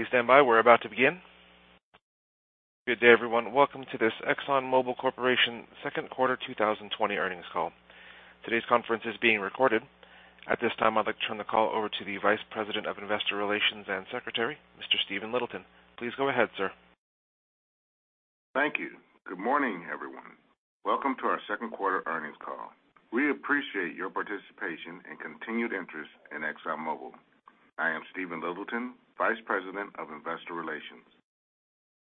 Please stand by. We're about to begin. Good day, everyone. Welcome to this Exxon Mobil Corporation second quarter 2020 earnings call. Today's conference is being recorded. At this time, I'd like to turn the call over to the Vice President of Investor Relations and Secretary, Mr. Stephen Littleton. Please go ahead, sir. Thank you. Good morning, everyone. Welcome to our second quarter earnings call. We appreciate your participation and continued interest in Exxon Mobil. I am Stephen Littleton, Vice President of Investor Relations.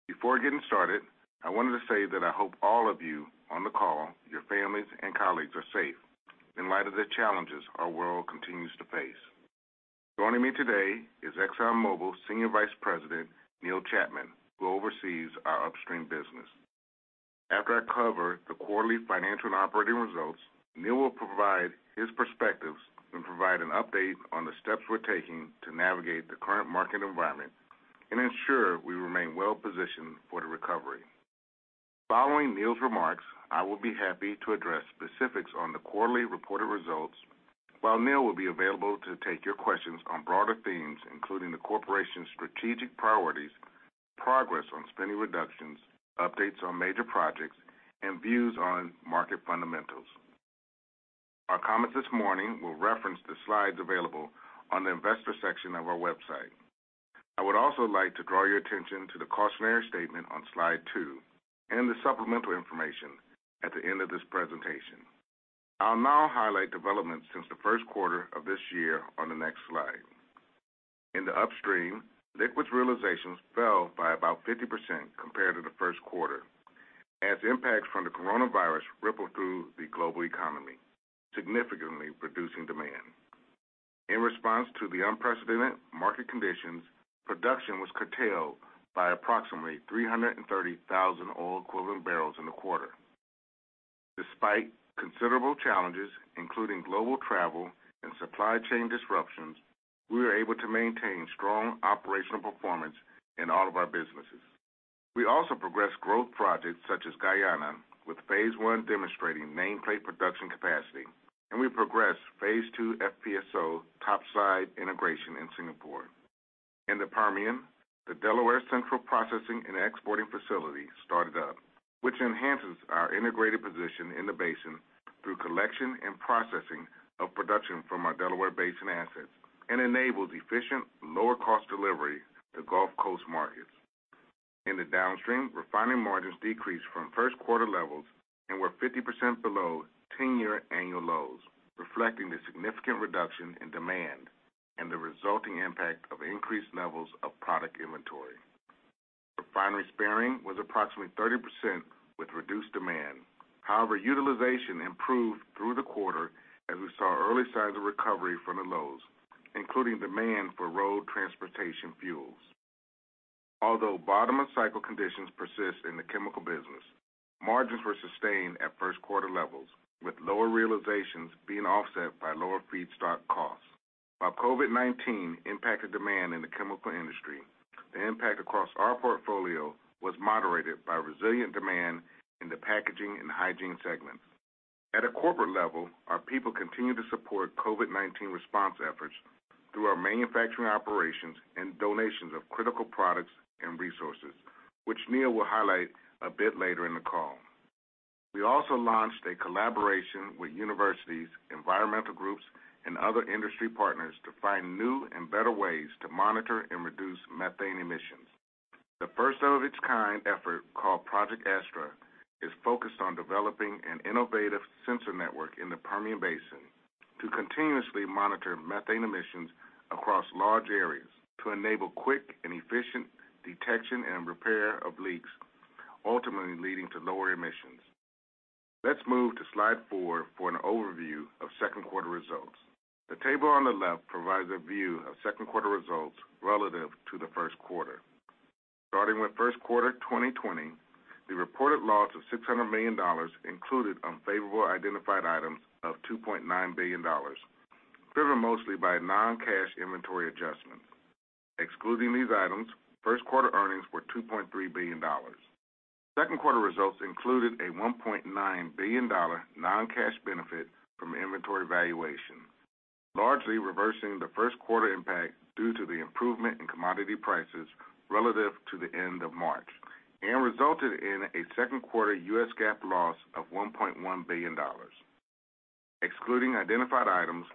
Before getting started, I wanted to say that I hope all of you on the call, your families, and colleagues are safe in light of the challenges our world continues to face. Joining me today is Exxon Mobil Senior Vice President, Neil Chapman, who oversees our upstream business. After I cover the quarterly financial and operating results, Neil will provide his perspectives and provide an update on the steps we're taking to navigate the current market environment and ensure we remain well-positioned for the recovery. Following Neil's remarks, I will be happy to address specifics on the quarterly reported results, while Neil will be available to take your questions on broader themes, including the Corporation's strategic priorities, progress on spending reductions, updates on major projects, and views on market fundamentals. Our comments this morning will reference the slides available on the investor section of our website. I would also like to draw your attention to the cautionary statement on Slide two and the supplemental information at the end of this presentation. I'll now highlight developments since the first quarter of this year on the next slide. In the upstream, liquids realizations fell by about 50% compared to the first quarter as impacts from the coronavirus rippled through the global economy, significantly reducing demand. In response to the unprecedented market conditions, production was curtailed by approximately 330,000 oil equivalent barrels in the quarter. Despite considerable challenges, including global travel and supply chain disruptions, we were able to maintain strong operational performance in all of our businesses. We also progressed growth projects such as Guyana, with phase I demonstrating nameplate production capacity, and we progressed phase II FPSO topside integration in Singapore. In the Permian, the Cowboy started up, which enhances our integrated position in the basin through collection and processing of production from our Delaware Basin assets and enables efficient, lower-cost delivery to Gulf Coast markets. In the downstream, refining margins decreased from first quarter levels and were 50% below 10-year annual lows, reflecting the significant reduction in demand and the resulting impact of increased levels of product inventory. Refinery sparing was approximately 30% with reduced demand. Utilization improved through the quarter as we saw early signs of recovery from the lows, including demand for road transportation fuels. Bottom of cycle conditions persist in the chemical business, margins were sustained at first quarter levels, with lower realizations being offset by lower feedstock costs. COVID-19 impacted demand in the chemical industry, the impact across our portfolio was moderated by resilient demand in the packaging and hygiene segments. At a corporate level, our people continue to support COVID-19 response efforts through our manufacturing operations and donations of critical products and resources, which Neil will highlight a bit later in the call. We also launched a collaboration with universities, environmental groups, and other industry partners to find new and better ways to monitor and reduce methane emissions. The first of its kind effort, called Project Astra, is focused on developing an innovative sensor network in the Permian Basin to continuously monitor methane emissions across large areas to enable quick and efficient detection and repair of leaks, ultimately leading to lower emissions. Let's move to Slide four for an overview of second quarter results. The table on the left provides a view of second quarter results relative to the first quarter. Starting with first quarter 2020, the reported loss of $600 million included unfavorable identified items of $2.9 billion, driven mostly by non-cash inventory adjustments. Excluding these items, first-quarter earnings were $2.3 billion. Second quarter results included a $1.9 billion non-cash benefit from inventory valuation, largely reversing the first quarter impact due to the improvement in commodity prices relative to the end of March and resulted in a second quarter US GAAP loss of $1.1 billion. Excluding identified items,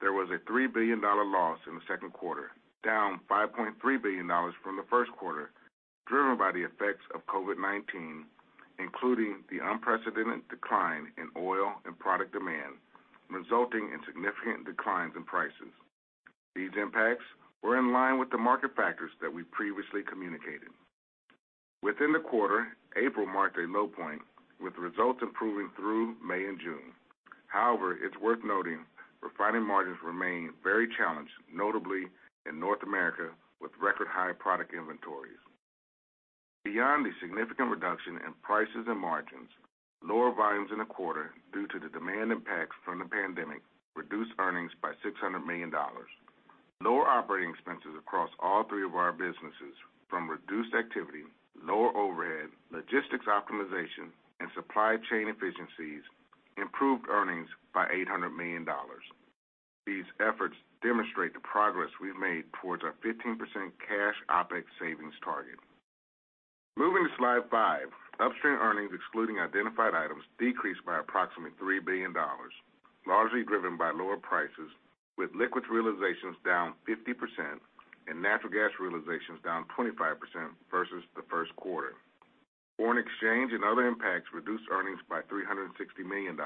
there was a $3 billion loss in the second quarter, down $5.3 billion from the first quarter, driven by the effects of COVID-19, including the unprecedented decline in oil and product demand, resulting in significant declines in prices. These impacts were in line with the market factors that we previously communicated. Within the quarter, April marked a low point, with results improving through May and June. However, it's worth noting refining margins remain very challenged, notably in North America, with record-high product inventories. Beyond the significant reduction in prices and margins, lower volumes in the quarter due to the demand impacts from the pandemic reduced earnings by $600 million. Lower operating expenses across all three of our businesses from reduced activity, lower overhead, logistics optimization, and supply chain efficiencies improved earnings by $800 million. These efforts demonstrate the progress we've made towards our 15% cash OpEx savings target. Moving to slide five, upstream earnings excluding identified items decreased by approximately $3 billion, largely driven by lower prices, with liquids realizations down 50% and natural gas realizations down 25% versus the first quarter. Foreign exchange and other impacts reduced earnings by $360 million.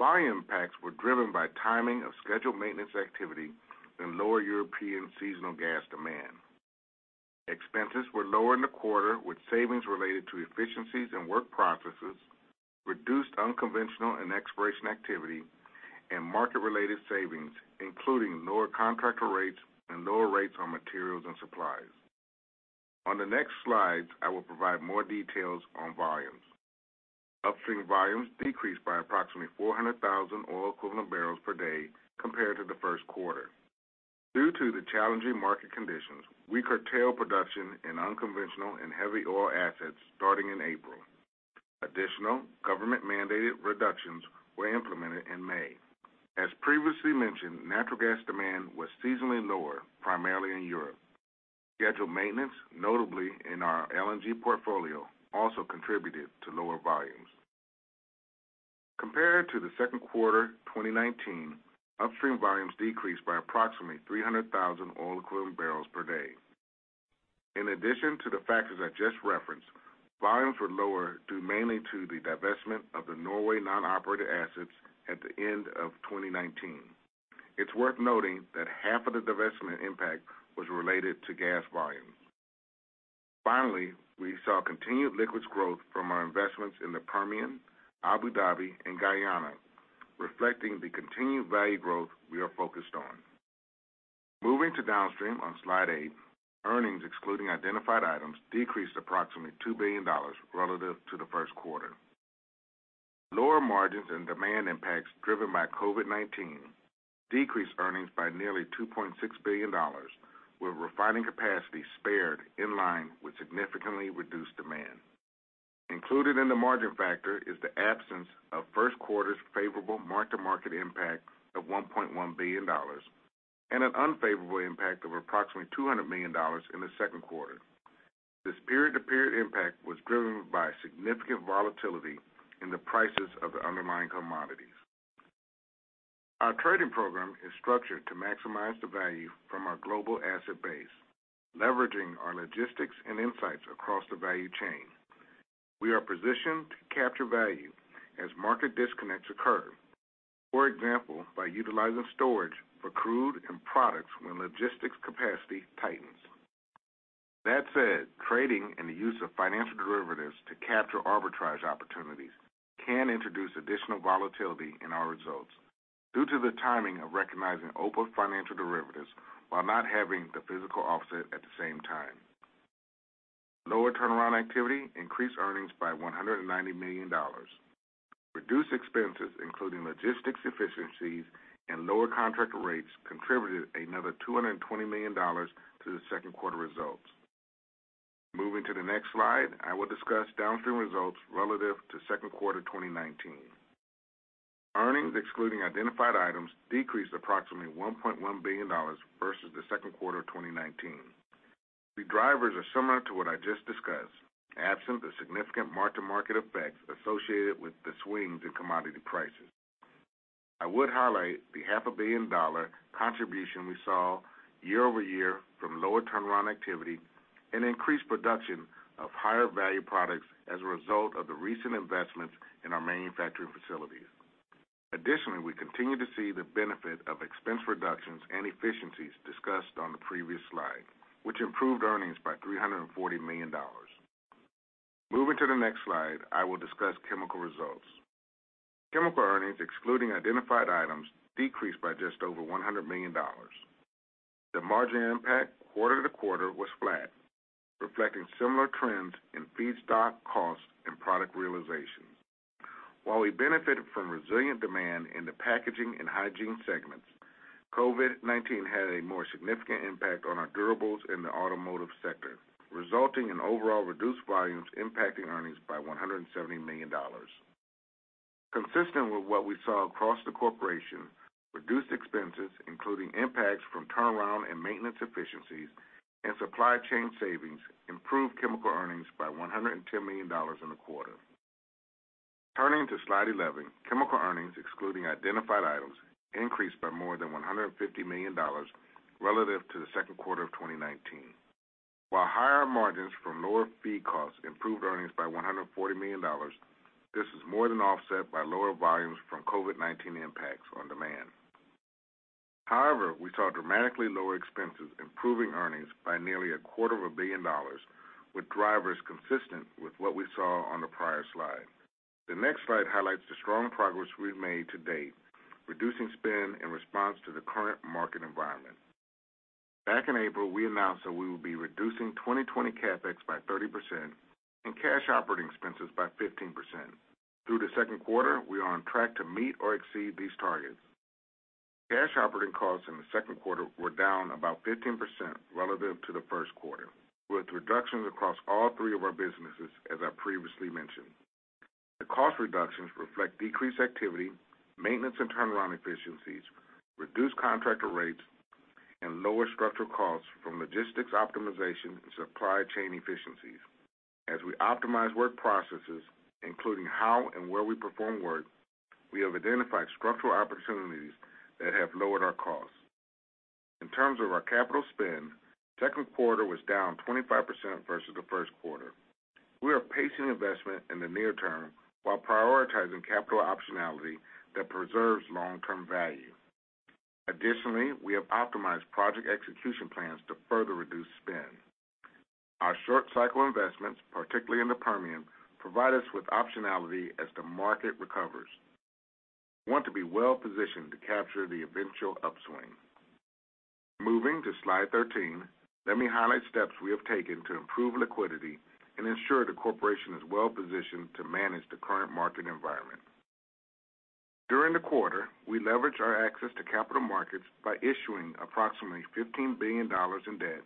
Volume impacts were driven by timing of scheduled maintenance activity and lower European seasonal gas demand. Expenses were lower in the quarter, with savings related to efficiencies in work processes, reduced unconventional and exploration activity, and market-related savings, including lower contractor rates and lower rates on materials and supplies. On the next slides, I will provide more details on volumes. Upstream volumes decreased by approximately 400,000 oil equivalent barrels per day compared to the first quarter. Due to the challenging market conditions, we curtailed production in unconventional and heavy oil assets starting in April. Additional government-mandated reductions were implemented in May. As previously mentioned, natural gas demand was seasonally lower, primarily in Europe. Scheduled maintenance, notably in our LNG portfolio, also contributed to lower volumes. Compared to the second quarter of 2019, upstream volumes decreased by approximately 300,000 oil equivalent barrels per day. In addition to the factors I just referenced, volumes were lower due mainly to the divestment of the Norway non-operated assets at the end of 2019. It's worth noting that half of the divestment impact was related to gas volumes. Finally, we saw continued liquids growth from our investments in the Permian, Abu Dhabi, and Guyana, reflecting the continued value growth we are focused on. Moving to downstream on slide eight, earnings excluding identified items decreased approximately $2 billion relative to the first quarter. Lower margins and demand impacts driven by COVID-19 decreased earnings by nearly $2.6 billion, with refining capacity spared in line with significantly reduced demand. Included in the margin factor is the absence of first quarter's favorable mark-to-market impact of $1.1 billion and an unfavorable impact of approximately $200 million in the second quarter. This period-to-period impact was driven by significant volatility in the prices of the underlying commodities. Our trading program is structured to maximize the value from our global asset base, leveraging our logistics and insights across the value chain. We are positioned to capture value as market disconnects occur. For example, by utilizing storage for crude and products when logistics capacity tightens. That said, trading and the use of financial derivatives to capture arbitrage opportunities can introduce additional volatility in our results due to the timing of recognizing open financial derivatives while not having the physical offset at the same time. Lower turnaround activity increased earnings by $190 million. Reduced expenses, including logistics efficiencies and lower contract rates, contributed another $220 million to the second quarter results. Moving to the next slide, I will discuss downstream results relative to second quarter 2019. Earnings excluding identified items decreased approximately $1.1 billion versus the second quarter of 2019. The drivers are similar to what I just discussed, absent the significant mark-to-market effects associated with the swings in commodity prices. I would highlight the half-a-billion-dollar contribution we saw year-over-year from lower turnaround activity and increased production of higher-value products as a result of the recent investments in our manufacturing facilities. Additionally, we continue to see the benefit of expense reductions and efficiencies discussed on the previous slide, which improved earnings by $340 million. Moving to the next slide, I will discuss chemical results. Chemical earnings excluding identified items decreased by just over $100 million. The margin impact quarter-to-quarter was flat, reflecting similar trends in feedstock costs and product realizations. While we benefited from resilient demand in the packaging and hygiene segments, COVID-19 had a more significant impact on our durables in the automotive sector, resulting in overall reduced volumes impacting earnings by $170 million. Consistent with what we saw across the corporation, reduced expenses, including impacts from turnaround and maintenance efficiencies and supply chain savings, improved chemical earnings by $110 million in the quarter. Turning to slide 11, chemical earnings excluding identified items increased by more than $150 million relative to the second quarter of 2019. While higher margins from lower feed costs improved earnings by $140 million, this is more than offset by lower volumes from COVID-19 impacts on demand. However, we saw dramatically lower expenses improving earnings by nearly a quarter of a billion dollars, with drivers consistent with what we saw on the prior slide. The next slide highlights the strong progress we've made to date, reducing spend in response to the current market environment. Back in April, we announced that we will be reducing 2020 CapEx by 30% and cash operating expenses by 15%. Through the second quarter, we are on track to meet or exceed these targets. Cash operating costs in the second quarter were down about 15% relative to the first quarter, with reductions across all three of our businesses, as I previously mentioned. The cost reductions reflect decreased activity, maintenance, and turnaround efficiencies, reduced contractor rates, and lower structural costs from logistics optimization and supply chain efficiencies. As we optimize work processes, including how and where we perform work, we have identified structural opportunities that have lowered our costs. In terms of our capital spend, second quarter was down 25% versus the first quarter. We are pacing investment in the near term while prioritizing capital optionality that preserves long-term value. Additionally, we have optimized project execution plans to further reduce spend. Our short-cycle investments, particularly in the Permian, provide us with optionality as the market recovers. We want to be well-positioned to capture the eventual upswing. Moving to slide 13, let me highlight steps we have taken to improve liquidity and ensure the corporation is well-positioned to manage the current market environment. During the quarter, we leveraged our access to capital markets by issuing approximately $15 billion in debt,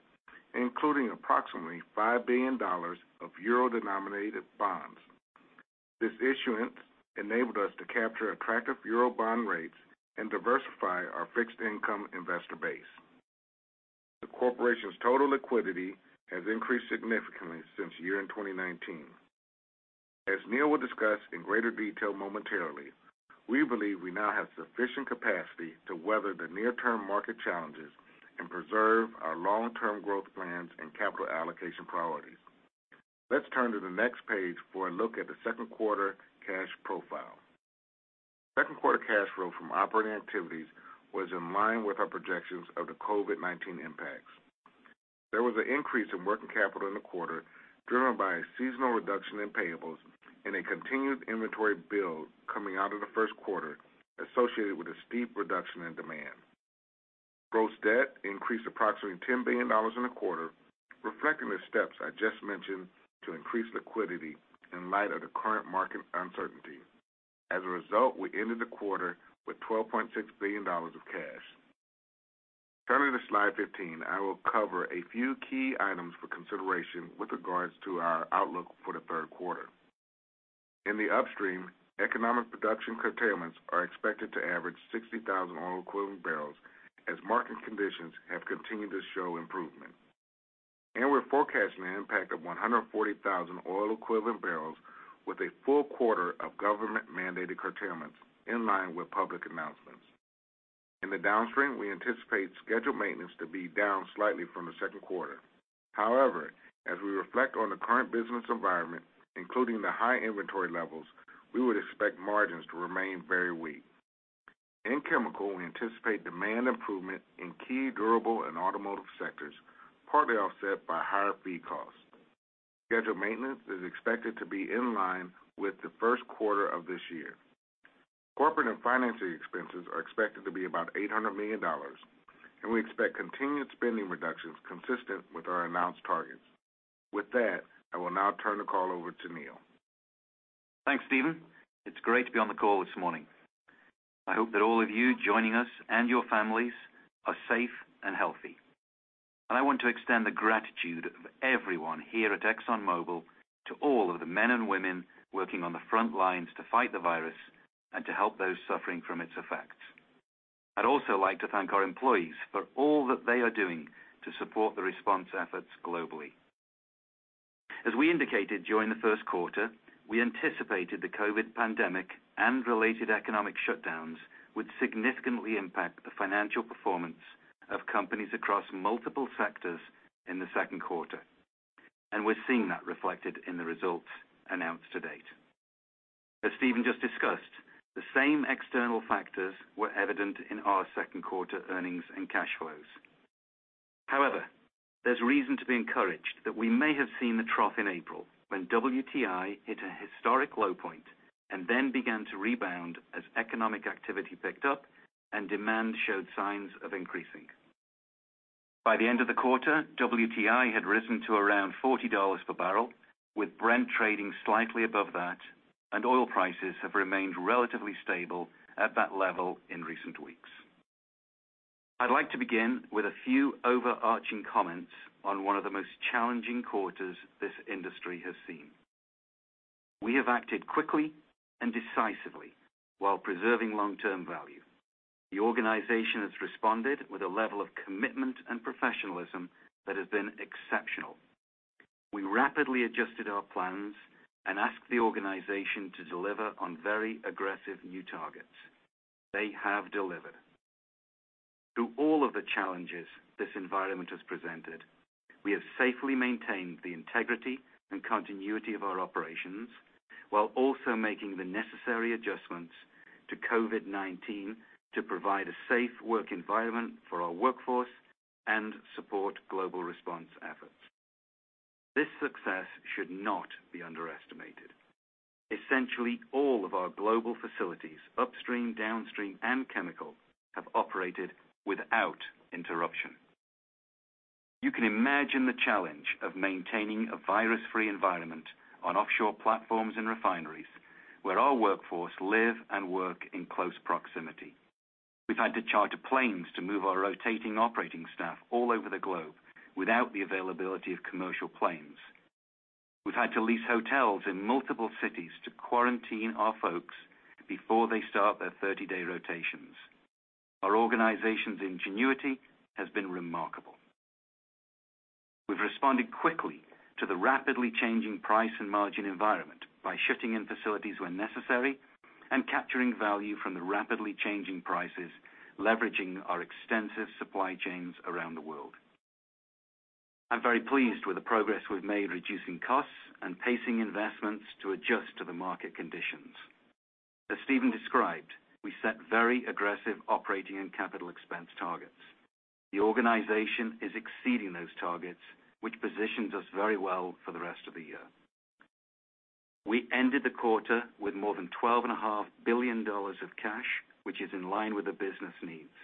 including approximately EUR 5 billion of euro-denominated bonds. This issuance enabled us to capture attractive euro bond rates and diversify our fixed income investor base. The corporation's total liquidity has increased significantly since year-end 2019. As Neil will discuss in greater detail momentarily, we believe we now have sufficient capacity to weather the near-term market challenges and preserve our long-term growth plans and capital allocation priorities. Let's turn to the next page for a look at the second quarter cash profile. Second-quarter cash flow from operating activities was in line with our projections of the COVID-19 impacts. There was an increase in working capital in the quarter driven by a seasonal reduction in payables and a continued inventory build coming out of the first quarter associated with the steep reduction in demand. Gross debt increased by approximately $10 billion in the quarter, reflecting the steps I just mentioned to increase liquidity in light of the current market uncertainty. As a result, we ended the quarter with $12.6 billion of cash. Turning to slide 15, I will cover a few key items for consideration with regards to our outlook for the third quarter. In the upstream, economic production curtailments are expected to average 60,000 oil equivalent barrels as market conditions have continued to show improvement. We're forecasting an impact of 140,000 oil equivalent barrels with a full quarter of government-mandated curtailments in line with public announcements. In the downstream, we anticipate scheduled maintenance to be down slightly from the second quarter. However, as we reflect on the current business environment, including the high inventory levels, we would expect margins to remain very weak. In Chemicals, we anticipate demand improvement in key durable and automotive sectors, partly offset by higher fee costs. Scheduled maintenance is expected to be in line with the first quarter of this year. Corporate and financing expenses are expected to be about $800 million, and we expect continued spending reductions consistent with our announced targets. With that, I will now turn the call over to Neil. Thanks, Stephen. It's great to be on the call this morning. I hope that all of you joining us, and your families, are safe and healthy. I want to extend the gratitude of everyone here at Exxon Mobil to all of the men and women working on the front lines to fight the virus and to help those suffering from its effects. I'd also like to thank our employees for all that they are doing to support the response efforts globally. As we indicated during the first quarter, we anticipated the COVID-19 pandemic and related economic shutdowns would significantly impact the financial performance of companies across multiple sectors in the second quarter, and we're seeing that reflected in the results announced to date. As Stephen just discussed, the same external factors were evident in our second-quarter earnings and cash flows. However, there's reason to be encouraged that we may have seen the trough in April, when WTI hit a historic low point and then began to rebound as economic activity picked up and demand showed signs of increasing. By the end of the quarter, WTI had risen to around $40 per barrel, with Brent trading slightly above that, and oil prices have remained relatively stable at that level in recent weeks. I'd like to begin with a few overarching comments on one of the most challenging quarters this industry has seen. We have acted quickly and decisively while preserving long-term value. The organization has responded with a level of commitment and professionalism that has been exceptional. We rapidly adjusted our plans and asked the organization to deliver on very aggressive new targets. They have delivered. Through all of the challenges this environment has presented, we have safely maintained the integrity and continuity of our operations while also making the necessary adjustments to COVID-19 to provide a safe work environment for our workforce and support global response efforts. This success should not be underestimated. Essentially all of our global facilities, upstream, downstream, and chemical, have operated without interruption. You can imagine the challenge of maintaining a virus-free environment on offshore platforms and refineries where our workforce lives and work in close proximity. We've had to charter planes to move our rotating operating staff all over the globe without the availability of commercial planes. We've had to lease hotels in multiple cities to quarantine our folks before they start their 30-day rotations. Our organization's ingenuity has been remarkable. We've responded quickly to the rapidly changing price and margin environment by shifting in facilities when necessary and capturing value from the rapidly changing prices, leveraging our extensive supply chains around the world. I'm very pleased with the progress we've made, reducing costs and pacing investments to adjust to the market conditions. As Stephen described, we set very aggressive operating and capital expense targets. The organization is exceeding those targets, which positions us very well for the rest of the year. We ended the quarter with more than $12.5 billion of cash, which is in line with the business needs.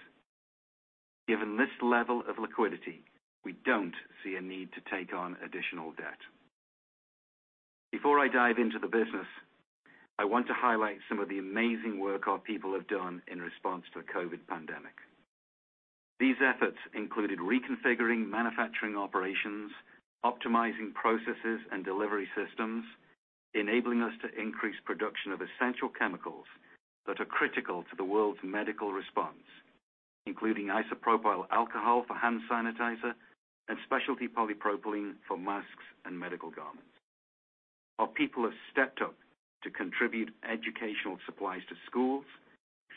Given this level of liquidity, we don't see a need to take on additional debt. Before I dive into the business, I want to highlight some of the amazing work our people have done in response to the COVID-19 pandemic. These efforts included reconfiguring manufacturing operations, optimizing processes and delivery systems, enabling us to increase production of essential chemicals that are critical to the world's medical response, including isopropyl alcohol for hand sanitizer, and specialty polypropylene for masks and medical garments. Our people have stepped up to contribute educational supplies to schools,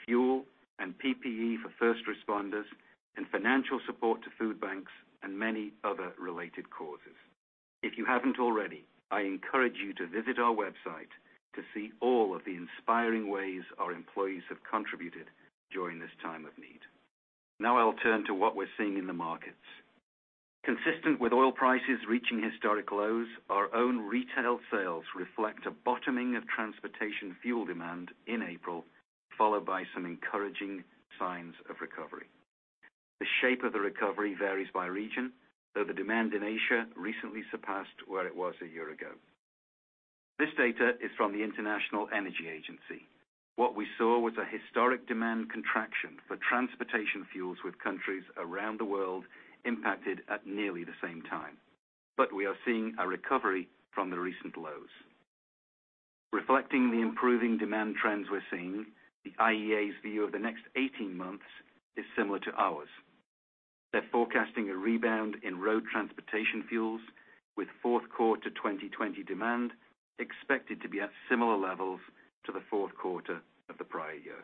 fuel and PPE for first responders, and financial support to food banks and many other related causes. If you haven't already, I encourage you to visit our website to see all of the inspiring ways our employees have contributed during this time of need. I'll turn to what we're seeing in the markets. Consistent with oil prices reaching historic lows, our own retail sales reflect a bottoming of transportation fuel demand in April, followed by some encouraging signs of recovery. The shape of the recovery varies by region, though the demand in Asia recently surpassed where it was a year ago. This data is from the International Energy Agency. What we saw was a historic demand contraction for transportation fuels with countries around the world impacted at nearly the same time. We are seeing a recovery from the recent lows. Reflecting the improving demand trends we're seeing, the IEA's view of the next 18 months is similar to ours. They're forecasting a rebound in road transportation fuels with fourth quarter 2020 demand expected to be at similar levels to the fourth quarter of the prior year.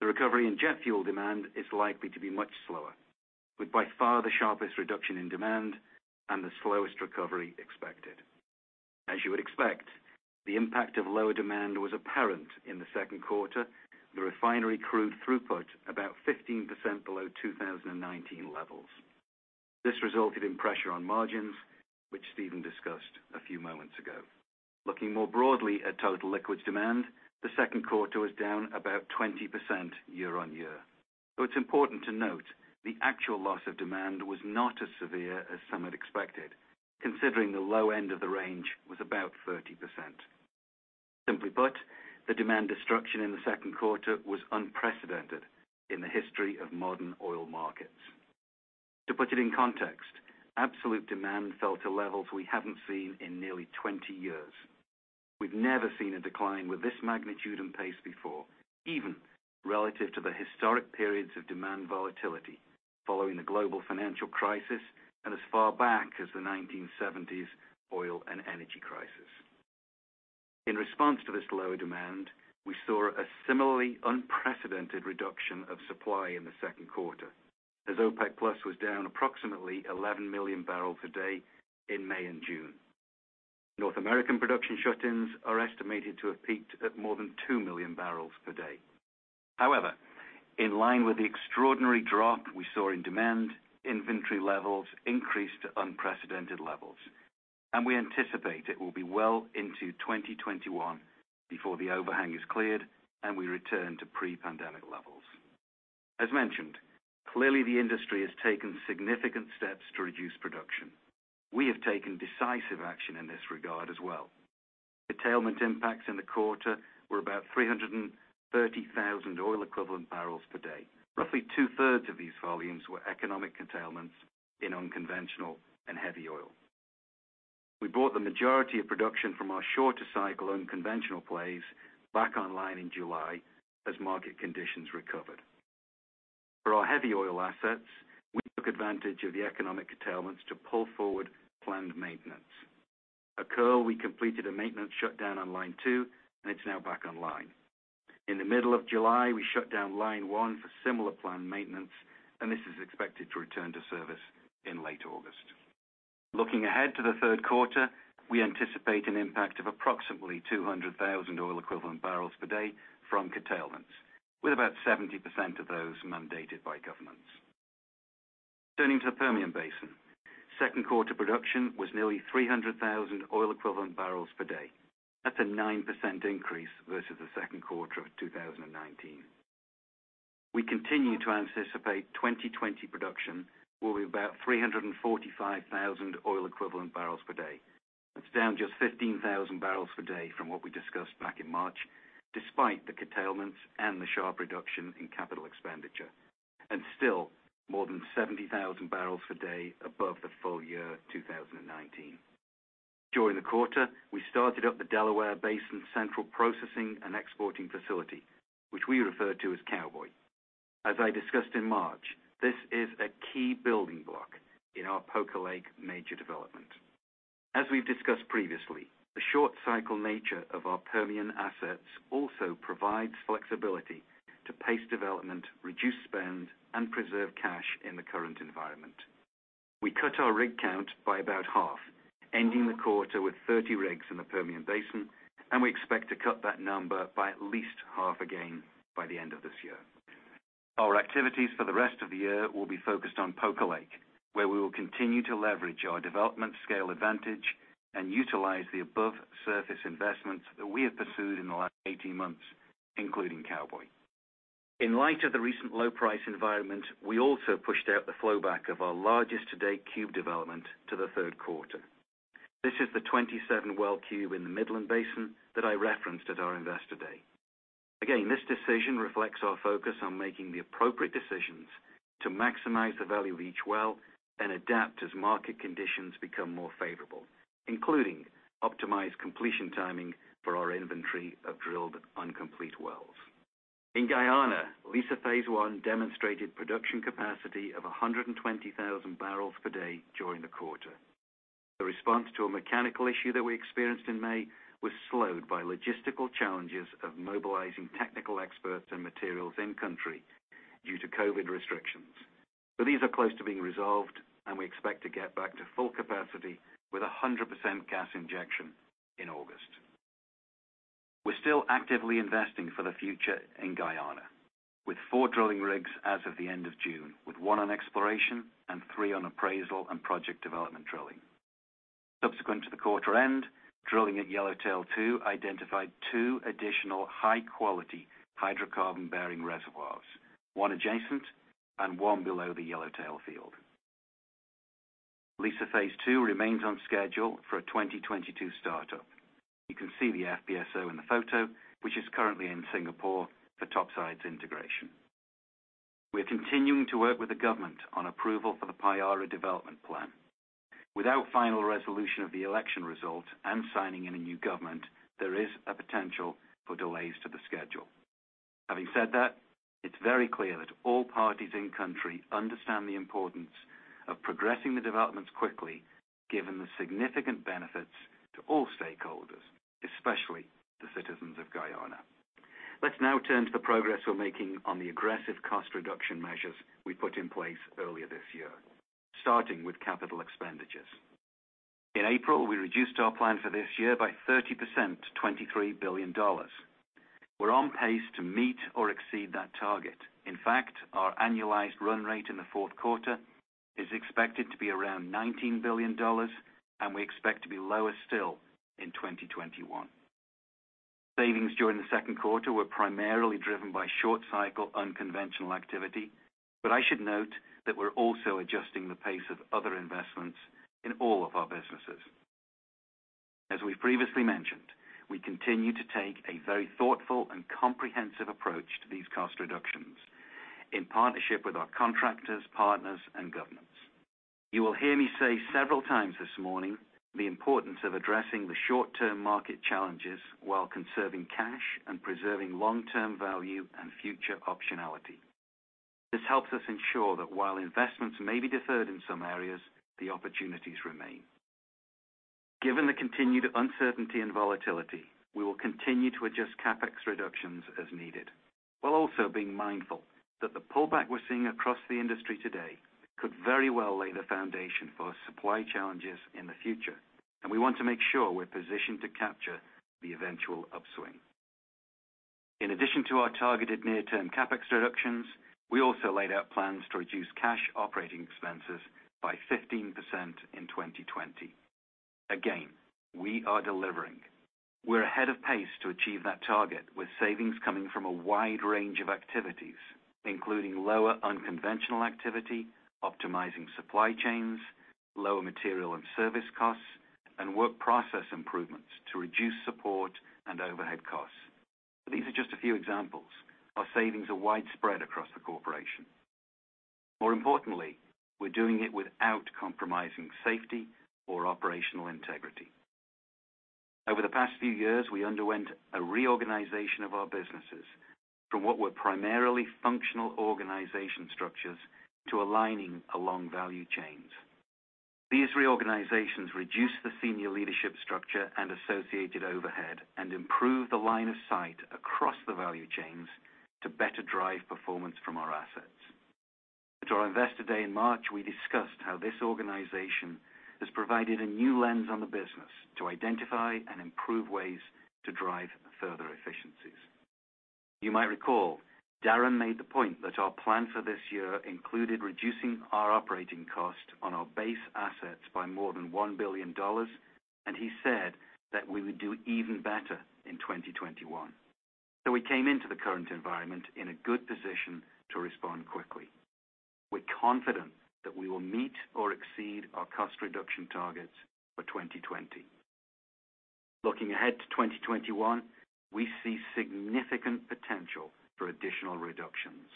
The recovery in jet fuel demand is likely to be much slower, with by far the sharpest reduction in demand and the slowest recovery expected. As you would expect, the impact of lower demand was apparent in the second quarter, the refinery crude throughput about 15% below 2019 levels. This resulted in pressure on margins, which Stephen discussed a few moments ago. Looking more broadly at total liquids demand, the second quarter was down about 20% year on year. Though it's important to note, the actual loss of demand was not as severe as some had expected, considering the low end of the range was about 30%. Simply put, the demand destruction in the second quarter was unprecedented in the history of modern oil markets. To put it in context, absolute demand fell to levels we haven't seen in nearly 20 years. We've never seen a decline with this magnitude and pace before, even relative to the historic periods of demand volatility following the global financial crisis and as far back as the 1970s oil and energy crisis. In response to this lower demand, we saw a similarly unprecedented reduction of supply in the second quarter, as OPEC+ was down approximately 11 million barrels per day in May and June. North American production shut-ins are estimated to have peaked at more than two million barrels per day. However, in line with the extraordinary drop we saw in demand, inventory levels increased to unprecedented levels, and we anticipate it will be well into 2021 before the overhang is cleared and we return to pre-pandemic levels. As mentioned, clearly the industry has taken significant steps to reduce production. We have taken decisive action in this regard as well. Curtailment impacts in the quarter were about 330,000 oil equivalent barrels per day. Roughly two-thirds of these volumes were economic curtailments in unconventional and heavy oil. We brought the majority of production from our shorter-cycle unconventional plays back online in July as market conditions recovered. For our heavy oil assets, we took advantage of the economic curtailments to pull forward planned maintenance. At Kearl, we completed a maintenance shutdown on line two, and it's now back online. In the middle of July, we shut down line one for similar planned maintenance, and this is expected to return to service in late August. Looking ahead to the third quarter, we anticipate an impact of approximately 200,000 oil equivalent barrels per day from curtailments, with about 70% of those mandated by governments. Turning to the Permian Basin. Second quarter production was nearly 300,000 oil equivalent barrels per day. That's a 9% increase versus the second quarter of 2019. We continue to anticipate 2020 production will be about 345,000 oil equivalent barrels per day. That's down just 15,000 barrels per day from what we discussed back in March, despite the curtailments and the sharp reduction in capital expenditure. Still more than 70,000 barrels per day above the full year 2019. During the quarter, we started up the Delaware Basin central processing and exporting facility, which we refer to as Cowboy. As I discussed in March, this is a key building block in our Poker Lake major development. As we've discussed previously, the short-cycle nature of our Permian assets also provides flexibility to pace development, reduce spend, and preserve cash in the current environment. We cut our rig count by about half, ending the quarter with 30 rigs in the Permian Basin. We expect to cut that number by at least half again by the end of this year. Our activities for the rest of the year will be focused on Poker Lake, where we will continue to leverage our development scale advantage and utilize the above surface investments that we have pursued in the last 18 months, including Cowboy. In light of the recent low price environment, we also pushed out the flowback of our largest to date cube development to the third quarter. This is the 27-well cube in the Midland Basin that I referenced at our investor day. Again, this decision reflects our focus on making the appropriate decisions to maximize the value of each well and adapt as market conditions become more favorable, including optimized completion timing for our inventory of drilled uncompleted wells. In Guyana, Liza Phase One demonstrated production capacity of 120,000 barrels per day during the quarter. The response to a mechanical issue that we experienced in May was slowed by logistical challenges of mobilizing technical experts and materials in country due to COVID restrictions. These are close to being resolved, and we expect to get back to full capacity with 100% gas injection in August. We're still actively investing for the future in Guyana, with four drilling rigs as of the end of June, with one on exploration and three on appraisal and project development drilling. Subsequent to the quarter end, drilling at Yellowtail Two identified two additional high-quality hydrocarbon-bearing reservoirs, one adjacent and one below the Yellowtail field. Liza Phase Two remains on schedule for a 2022 start-up. You can see the FPSO in the photo, which is currently in Singapore for topsides integration. We're continuing to work with the government on approval for the Payara development plan. Without final resolution of the election result and signing in a new government, there is a potential for delays to the schedule. Having said that, it's very clear that all parties in country understand the importance of progressing the developments quickly given the significant benefits to all stakeholders, especially the citizens of Guyana. Let's now turn to the progress we're making on the aggressive cost reduction measures we put in place earlier this year, starting with capital expenditures. In April, we reduced our plan for this year by 30% to $23 billion. We're on pace to meet or exceed that target. In fact, our annualized run rate in the fourth quarter is expected to be around $19 billion, and we expect to be lower still in 2021. Savings during the second quarter were primarily driven by short-cycle unconventional activity, but I should note that we're also adjusting the pace of other investments in all of our businesses. As we've previously mentioned, we continue to take a very thoughtful and comprehensive approach to these cost reductions in partnership with our contractors, partners, and governments. You will hear me say several times this morning the importance of addressing the short-term market challenges while conserving cash and preserving long-term value and future optionality. This helps us ensure that while investments may be deferred in some areas, the opportunities remain. Given the continued uncertainty and volatility, we will continue to adjust CapEx reductions as needed, while also being mindful that the pullback we're seeing across the industry today could very well lay the foundation for supply challenges in the future, and we want to make sure we're positioned to capture the eventual upswing. In addition to our targeted near-term CapEx reductions, we also laid out plans to reduce cash operating expenses by 15% in 2020. Again, we are delivering. We're ahead of pace to achieve that target with savings coming from a wide range of activities, including lower unconventional activity, optimizing supply chains, lower material and service costs, and work process improvements to reduce support and overhead costs. These are just a few examples. Our savings are widespread across the corporation. More importantly, we're doing it without compromising safety or operational integrity. Over the past few years, we underwent a reorganization of our businesses from what were primarily functional organization structures to aligning along value chains. These reorganizations reduce the senior leadership structure and associated overhead and improve the line of sight across the value chains to better drive performance from our assets. At our investor day in March, we discussed how this organization has provided a new lens on the business to identify and improve ways to drive further efficiencies. You might recall, Darren made the point that our plan for this year included reducing our operating cost on our base assets by more than $1 billion, and he said that we would do even better in 2021. We came into the current environment in a good position to respond quickly. We're confident that we will meet or exceed our cost reduction targets for 2020. Looking ahead to 2021, we see significant potential for additional reductions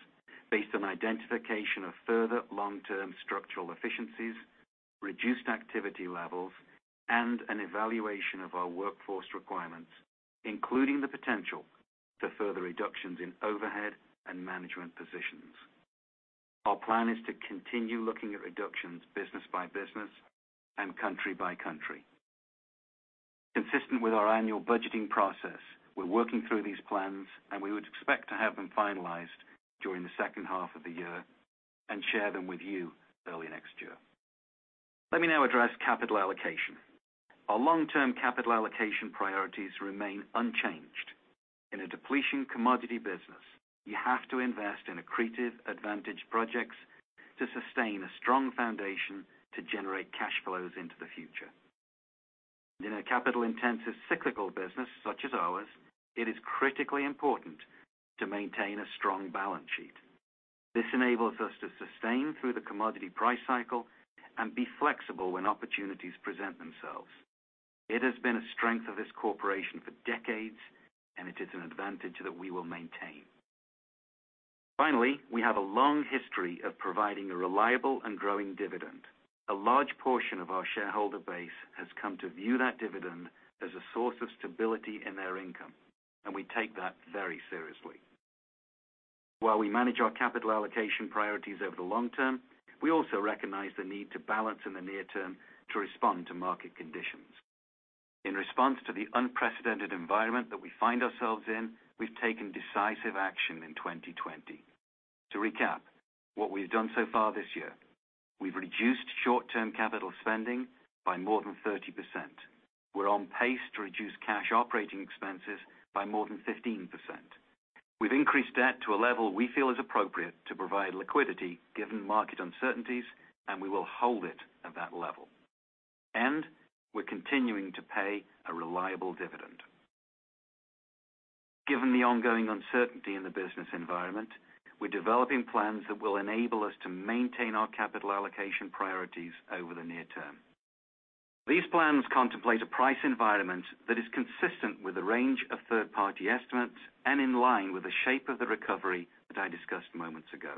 based on identification of further long-term structural efficiencies, reduced activity levels, and an evaluation of our workforce requirements, including the potential for further reductions in overhead and management positions. Our plan is to continue looking at reductions business by business and country by country. Consistent with our annual budgeting process, we're working through these plans, and we would expect to have them finalized during the second half of the year and share them with you early next year. Let me now address capital allocation. Our long-term capital allocation priorities remain unchanged. In a depletion commodity business, you have to invest in accretive advantage projects to sustain a strong foundation to generate cash flows into the future. In a capital-intensive cyclical business such as ours, it is critically important to maintain a strong balance sheet. This enables us to sustain through the commodity price cycle and be flexible when opportunities present themselves. It has been a strength of this corporation for decades, and it is an advantage that we will maintain. Finally, we have a long history of providing a reliable and growing dividend. A large portion of our shareholder base has come to view that dividend as a source of stability in their income, and we take that very seriously. While we manage our capital allocation priorities over the long term, we also recognize the need to balance in the near term to respond to market conditions. In response to the unprecedented environment that we find ourselves in, we've taken decisive action in 2020. To recap what we've done so far this year, we've reduced short-term capital spending by more than 30%. We're on pace to reduce cash operating expenses by more than 15%. We've increased debt to a level we feel is appropriate to provide liquidity, given market uncertainties, and we will hold it at that level. We're continuing to pay a reliable dividend. Given the ongoing uncertainty in the business environment, we're developing plans that will enable us to maintain our capital allocation priorities over the near term. These plans contemplate a price environment that is consistent with the range of third-party estimates and in line with the shape of the recovery that I discussed moments ago.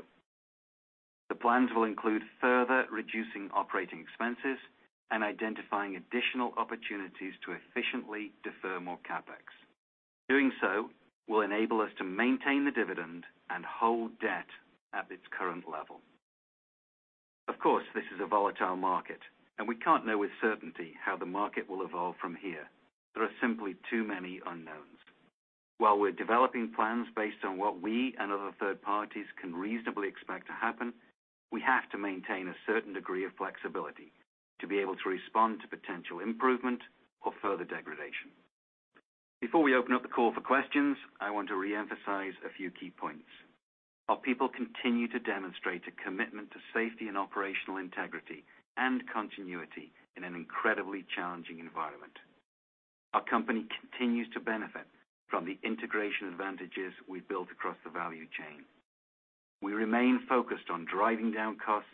The plans will include further reducing operating expenses and identifying additional opportunities to efficiently defer more CapEx. Doing so will enable us to maintain the dividend and hold debt at its current level. Of course, this is a volatile market, and we can't know with certainty how the market will evolve from here. There are simply too many unknowns. While we're developing plans based on what we and other third parties can reasonably expect to happen, we have to maintain a certain degree of flexibility to be able to respond to potential improvement or further degradation. Before we open up the call for questions, I want to reemphasize a few key points. Our people continue to demonstrate a commitment to safety and operational integrity and continuity in an incredibly challenging environment. Our company continues to benefit from the integration advantages we've built across the value chain. We remain focused on driving down costs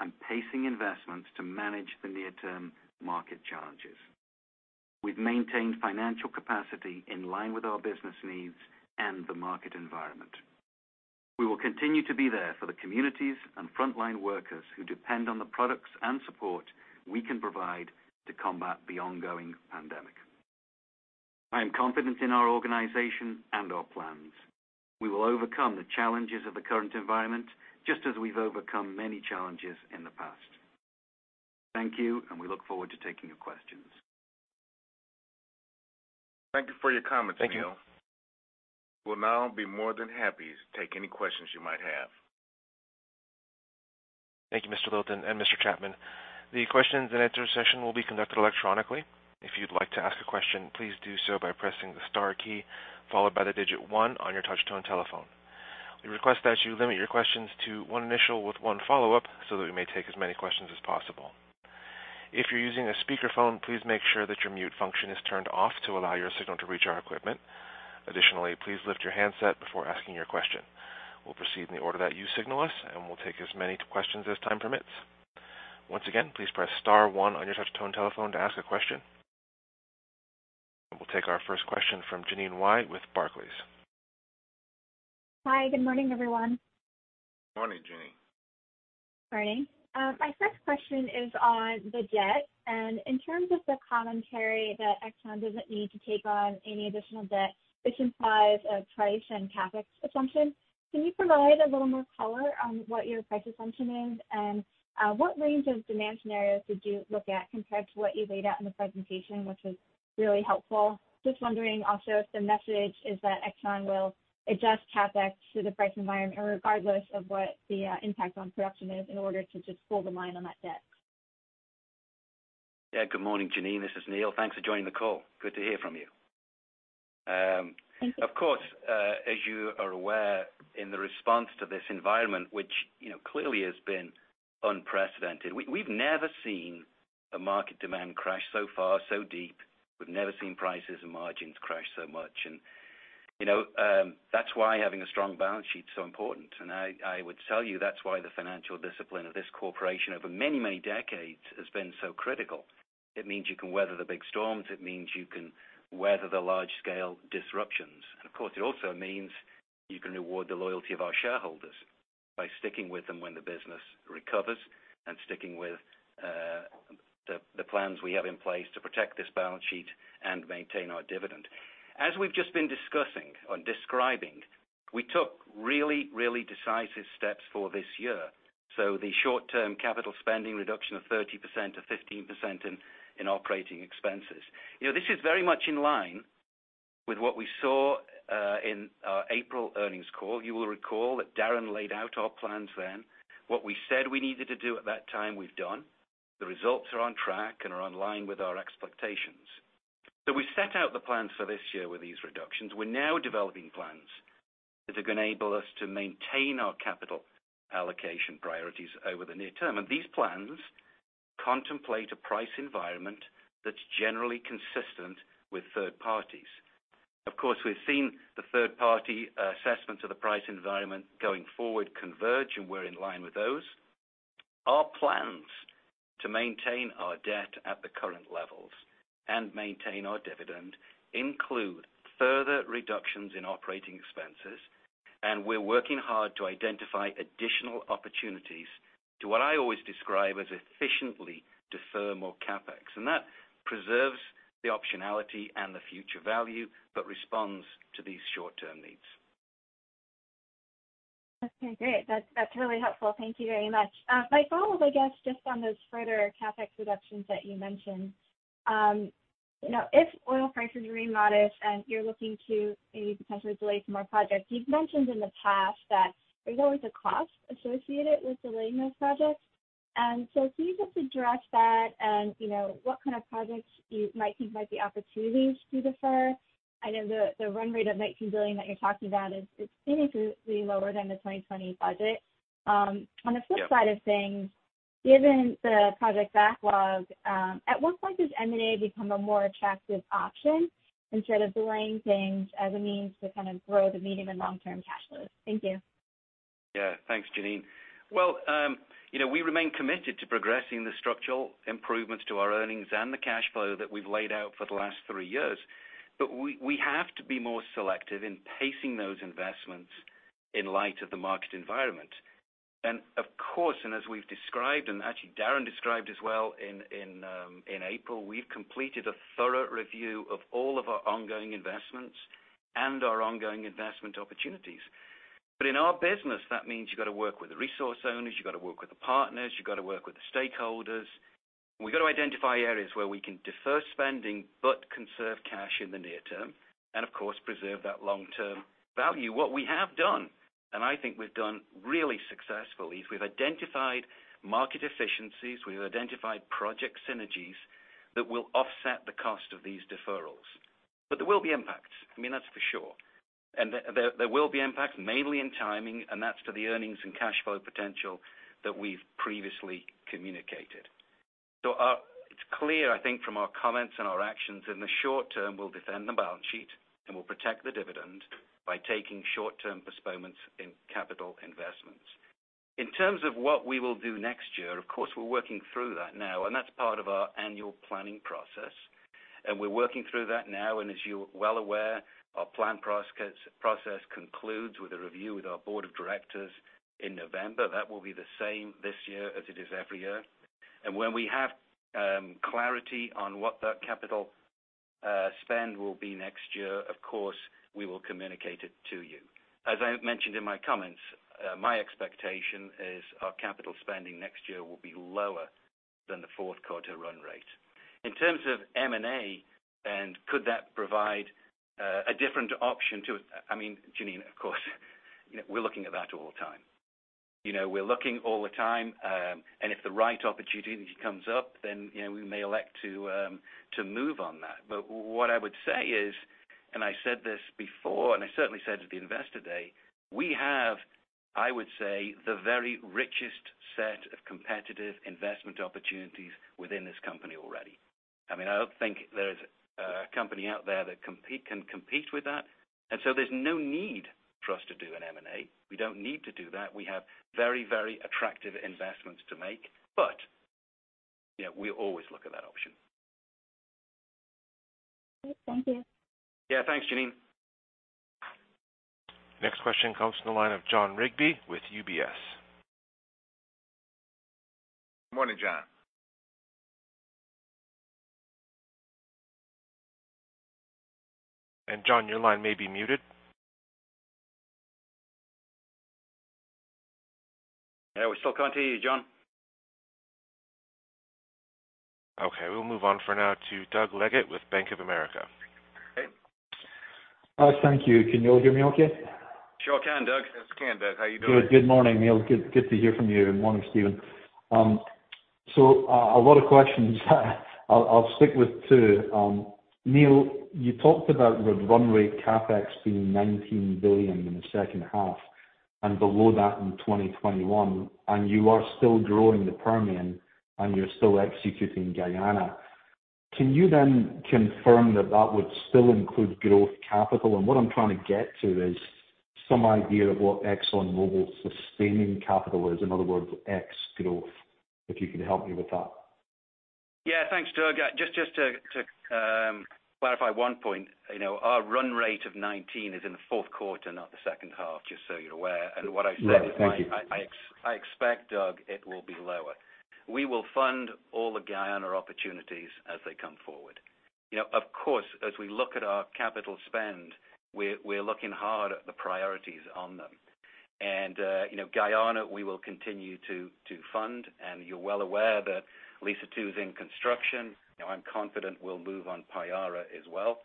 and pacing investments to manage the near-term market challenges. We've maintained financial capacity in line with our business needs and the market environment. We will continue to be there for the communities and frontline workers who depend on the products and support we can provide to combat the ongoing pandemic. I am confident in our organization and our plans. We will overcome the challenges of the current environment, just as we've overcome many challenges in the past. Thank you. We look forward to taking your questions. Thank you for your comments, Neil. Thank you. We'll now be more than happy to take any questions you might have. Thank you, Mr. Littleton and Mr. Chapman. The questions and answer session will be conducted electronically. If you'd like to ask a question, please do so by pressing the star key, followed by the digit one on your touch-tone telephone. We request that you limit your questions to one initial with one follow-up so that we may take as many questions as possible. If you're using a speakerphone, please make sure that your mute function is turned off to allow your signal to reach our equipment. Additionally, please lift your handset before asking your question. We'll proceed in the order that you signal us, and we'll take as many questions as time permits. Once again, please press star one on your touch-tone telephone to ask a question. We'll take our first question from Jeanine Wai with Barclays. Hi, good morning, everyone. Morning, Jeanine. Morning. My first question is on the debt, and in terms of the commentary that Exxon doesn't need to take on any additional debt, which implies a price and CapEx assumption. Can you provide a little more color on what your price assumption is? What range of demand scenarios did you look at compared to what you laid out in the presentation, which was really helpful? Just wondering also if the message is that Exxon will adjust CapEx to the price environment, regardless of what the impact on production is in order to just hold the line on that debt. Yeah. Good morning, Janine. This is Neil. Thanks for joining the call. Good to hear from you. Thank you. Of course, as you are aware, in response to this environment, which clearly has been unprecedented. We've never seen a market demand crash so far, so deep. We've never seen prices and margins crash so much. That's why having a strong balance sheet is so important. I would tell you that's why the financial discipline of this corporation over many, many decades has been so critical. It means you can weather the big storms. It means you can weather the large-scale disruptions. Of course, it also means you can reward the loyalty of our shareholders by sticking with them when the business recovers and sticking with the plans we have in place to protect this balance sheet and maintain our dividend. As we've just been discussing or describing, we took really decisive steps for this year. The short-term capital spending reduction of 30% to 15% in operating expenses. This is very much in line with what we saw in our April earnings call. You will recall that Darren laid out our plans then. What we said we needed to do at that time, we've done. The results are on track and are in line with our expectations. We set out the plans for this year with these reductions. We're now developing plans that are going to enable us to maintain our capital allocation priorities over the near term, and these plans contemplate a price environment that's generally consistent with third parties. Of course, we've seen the third-party assessments of the price environment going forward converge, and we're in line with those. Our plans to maintain our debt at the current levels and maintain our dividend include further reductions in OpEx, we're working hard to identify additional opportunities to what I always describe as efficiently defer more CapEx. That preserves the optionality and the future value but responds to these short-term needs. Okay, great. That's really helpful. Thank you very much. If I followed, I guess, just on those further CapEx reductions that you mentioned. If oil prices remain modest and you're looking to maybe potentially delay some more projects, you've mentioned in the past that there's always a cost associated with delaying those projects. Can you just address that and what kind of projects you might think might be opportunities to defer? I know the run rate of $19 billion that you're talking about is significantly lower than the 2020 budget. Yeah. On the flip side of things, given the project backlog, at what point does M&A become a more attractive option instead of delaying things as a means to grow the medium- and long-term cash flows? Thank you. Yeah. Thanks, Janine. Well, we remain committed to progressing the structural improvements to our earnings and the cash flow that we've laid out for the last three years. We have to be more selective in pacing those investments in light of the market environment. Of course, and as we've described, and actually Darren described as well in April, we've completed a thorough review of all of our ongoing investments and our ongoing investment opportunities. In our business, that means you've got to work with the resource owners, you've got to work with the partners, you've got to work with the stakeholders. We've got to identify areas where we can defer spending but conserve cash in the near term and, of course, preserve that long-term value. What we have done, and I think we've done really successfully, is we've identified market efficiencies, we've identified project synergies that will offset the cost of these deferrals. There will be impacts. That's for sure. There will be impacts mainly in timing, and that's to the earnings and cash flow potential that we've previously communicated. It's clear, I think, from our comments and our actions, in the short term, we'll defend the balance sheet, and we'll protect the dividend by taking short-term postponements in capital investments. In terms of what we will do next year, of course, we're working through that now, and that's part of our annual planning process. We're working through that now, and as you're well aware, our plan process concludes with a review with our board of directors in November. That will be the same this year as it is every year. When we have clarity on what that capital spend will be next year, of course, we will communicate it to you. As I mentioned in my comments, my expectation is our capital spending next year will be lower than the fourth quarter run rate. In terms of M&A and could that provide a different option to Janine? Of course, we're looking at that all the time. We're looking all the time. If the right opportunity comes up, then we may elect to move on that. What I would say is, and I said this before, and I certainly said at the investor day, we have, I would say, the very richest set of competitive investment opportunities within this company already. I don't think there's a company out there that can compete with that. So there's no need for us to do an M&A. We don't need to do that. We have very attractive investments to make. We always look at that option. Great. Thank you. Yeah. Thanks, Janine. Next question comes from the line of Jon Rigby with UBS. Morning, Jon. Jon, your line may be muted. Yeah. We still can't hear you, John. Okay. We'll move on for now to Doug Leggate with Bank of America. Thank you. Can you all hear me okay? Sure can, Doug. Yes, Doug. How are you doing? Good morning, Neil. Good to hear from you. Morning, Stephen. A lot of questions, I'll stick with two. Neil, you talked about the run rate CapEx being $19 billion in the second half and below that in 2021, and you are still growing the Permian, and you're still executing Guyana. Can you confirm that that would still include growth capital? What I'm trying to get to is some idea of what Exxon Mobil's sustaining capital is, in other words, ex-growth, if you can help me with that. Yeah. Thanks, Doug. Just to clarify one point. Our run rate of 19 is in the fourth quarter, not the second half, just so you're aware. Yeah. Thank you. What I said is, I expect, Doug, it will be lower. We will fund all the Guyana opportunities as they come forward. Of course, as we look at our capital spend, we're looking hard at the priorities on them. Guyana, we will continue to fund, and you're well aware that Liza Two is in construction. I'm confident we'll move on Payara as well.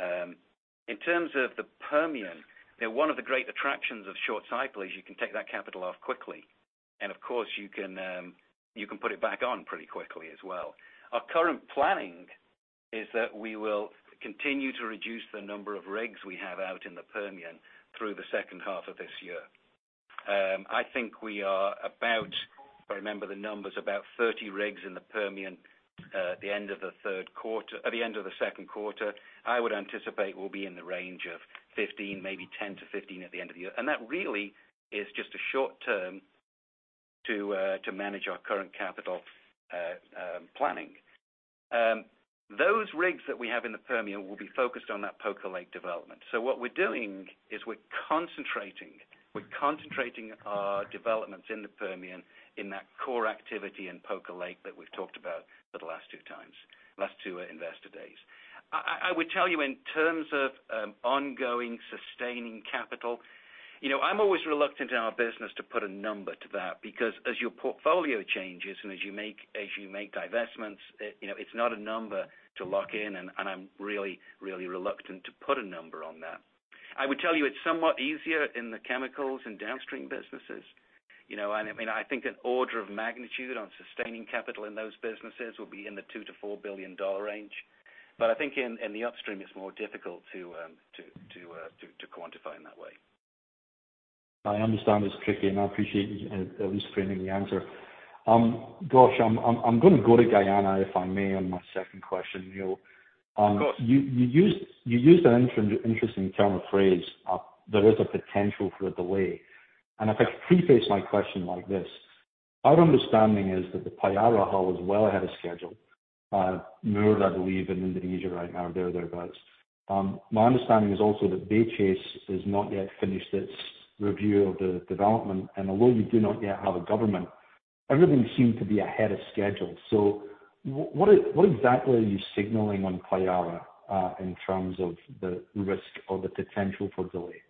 In terms of the Permian, one of the great attractions of short cycle is you can take that capital off quickly. Of course, you can put it back on pretty quickly as well. Our current planning is that we will continue to reduce the number of rigs we have out in the Permian through the second half of this year. I think we are about, if I remember the numbers, about 30 rigs in the Permian at the end of the second quarter. I would anticipate we'll be in the range of 15, maybe 10-15, at the end of the year. That really is just a short term to manage our current capital planning. Those rigs that we have in the Permian will be focused on that Poker Lake development. What we're doing is we're concentrating our developments in the Permian in that core activity in Poker Lake that we've talked about the last two investor days. I would tell you in terms of ongoing sustaining capital, I'm always reluctant in our business to put a number to that because as your portfolio changes and as you make divestments, it's not a number to lock in, and I'm really reluctant to put a number on that. I would tell you it's somewhat easier in the chemicals and downstream businesses. I think an order of magnitude on sustaining capital in those businesses will be in the $2 billion-$4 billion range. I think in the upstream, it's more difficult to quantify in that way. I understand it's tricky, and I appreciate you at least framing the answer. Gosh, I'm going to go to Guyana, if I may, on my second question, Neil. Of course. You used an interesting term or phrase. There is a potential for a delay. If I could preface my question like this, our understanding is that the Payara hub was well ahead of schedule. Moored, I believe, in Indonesia right now. They're there, guys. My understanding is also that Bayphase has not yet finished its review of the development. Although you do not yet have a government, everything seemed to be ahead of schedule. What exactly are you signaling on Payara, in terms of the risk or the potential for delay?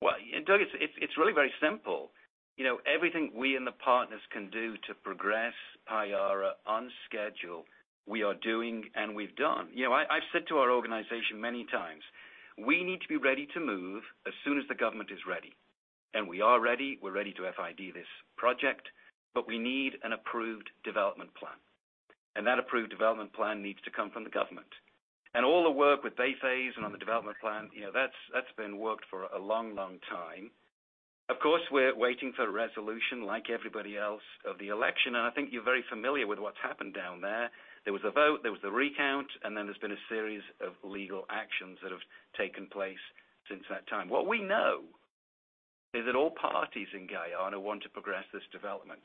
Well, Doug, it's really very simple. Everything we and the partners can do to progress Payara on schedule, we are doing and we've done. I've said to our organization many times, we need to be ready to move as soon as the government is ready. We are ready. We're ready to FID this project, but we need an approved development plan. That approved development plan needs to come from the government. All the work with Bayphase and on the development plan that's been worked for a long time. Of course, we're waiting for resolution like everybody else of the election, and I think you're very familiar with what's happened down there. There was a vote, there was the recount, and then there's been a series of legal actions that have taken place since that time. What we know is that all parties in Guyana want to progress this development.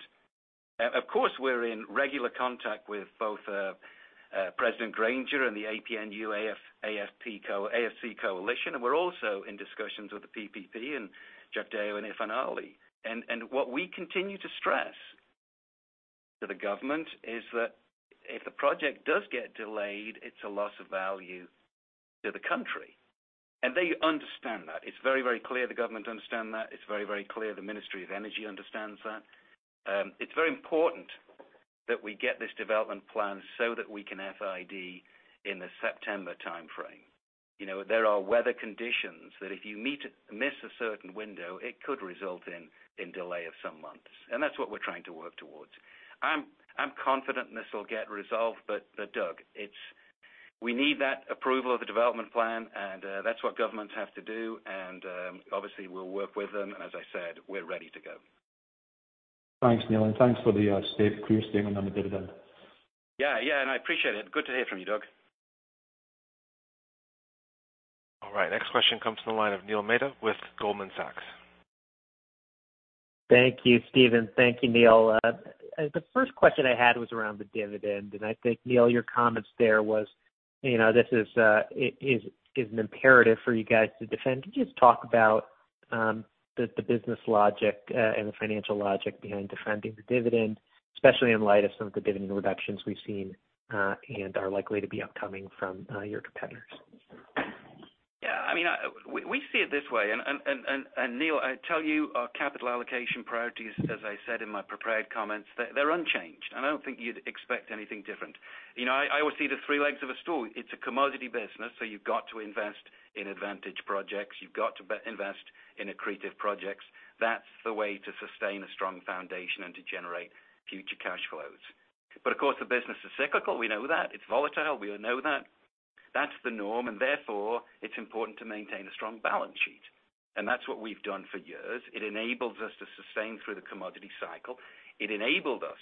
We're in regular contact with both President Granger and the APNU+AFC coalition, and we're also in discussions with the PPP and Jagdeo and Irfaan Ali. What we continue to stress to the government is that if the project does get delayed, it's a loss of value to the country. They understand that. It's very clear the government understands that. It's very clear the Ministry of Energy understands that. It's very important that we get this development plan so that we can FID in the September timeframe. There are weather conditions that, if you miss a certain window, it could result in delay of some months, and that's what we're trying to work towards. I'm confident this will get resolved. Doug, we need that approval of the development plan, and that's what governments have to do. Obviously, we'll work with them, and as I said, we're ready to go. Thanks, Neil, and thanks for the clear statement on the dividend. Yeah. I appreciate it. Good to hear from you, Doug. All right. Next question comes from the line of Neil Mehta with Goldman Sachs. Thank you, Stephen. Thank you, Neil. The first question I had was around the dividend, and I think, Neil, your comments there was, this is an imperative for you guys to defend. Could you just talk about the business logic and the financial logic behind defending the dividend, especially in light of some of the dividend reductions we've seen and are likely to be upcoming from your competitors? Yeah. We see it this way, Neil, I tell you, our capital allocation priorities, as I said in my prepared comments, they're unchanged, and I don't think you'd expect anything different. I always see the three legs of a stool. It's a commodity business, so you've got to invest in advantage projects, you've got to invest in accretive projects. That's the way to sustain a strong foundation and to generate future cash flows. Of course, the business is cyclical. We know that. It's volatile. We all know that. That's the norm, and therefore, it's important to maintain a strong balance sheet. That's what we've done for years. It enables us to sustain through the commodity cycle. It enabled us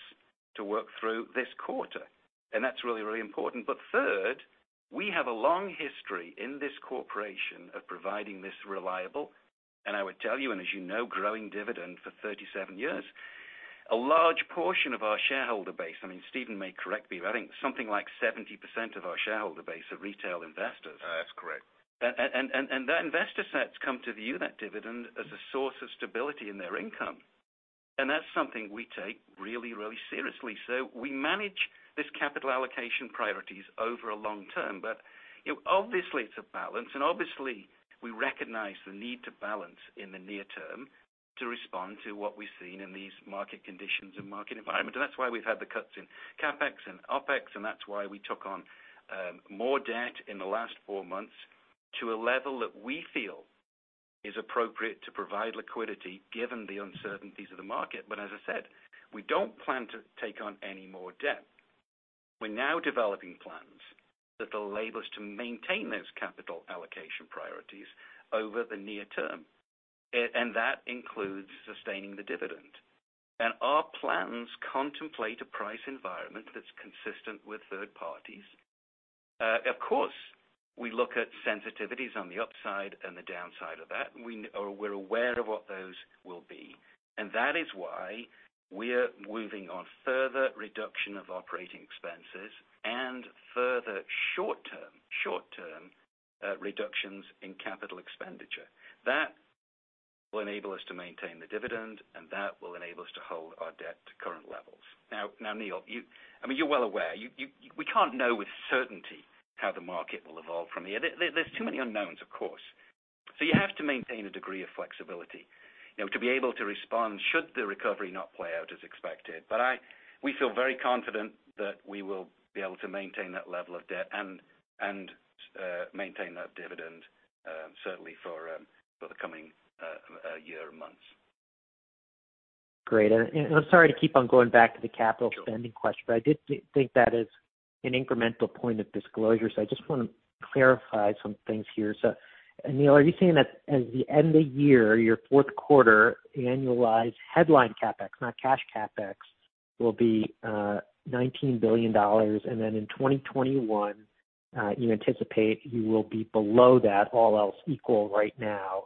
to work through this quarter, and that's really important. Third, we have a long history in this corporation of providing this reliable, and I would tell you, and as you know, growing dividend for 37 years. A large portion of our shareholder base, I mean, Stephen may correct me, but I think something like 70% of our shareholder base are retail investors. That's correct. That investor set's come to view that dividend as a source of stability in their income. That's something we take really seriously. We manage these capital allocation priorities over a long term. Obviously, it's a balance, and obviously, we recognize the need to balance in the near term to respond to what we've seen in these market conditions and market environment. That's why we've had the cuts in CapEx and OpEx, and that's why we took on more debt in the last four months to a level that we feel is appropriate to provide liquidity given the uncertainties of the market. As I said, we don't plan to take on any more debt. We're now developing plans that allow us to maintain those capital allocation priorities over the near term. That includes sustaining the dividend. Our plans contemplate a price environment that's consistent with third parties. Of course, we look at sensitivities on the upside and the downside of that. We're aware of what those will be. That is why we're moving on further reduction of operating expenses and further short-term reductions in capital expenditure. That will enable us to maintain the dividend, and that will enable us to hold our debt to current levels. Neil, you're well aware. We can't know with certainty how the market will evolve from here. There's too many unknowns, of course. You have to maintain a degree of flexibility to be able to respond should the recovery not play out as expected. We feel very confident that we will be able to maintain that level of debt and maintain that dividend certainly for the coming year and months. Great. I'm sorry to keep on going back to the capital spending question. I did think that is an incremental point of disclosure, so I just want to clarify some things here. Neil, are you saying that at the end of year, your fourth quarter annualized headline CapEx, not cash CapEx, will be $19 billion, and then in 2021, you anticipate you will be below that, all else equal right now?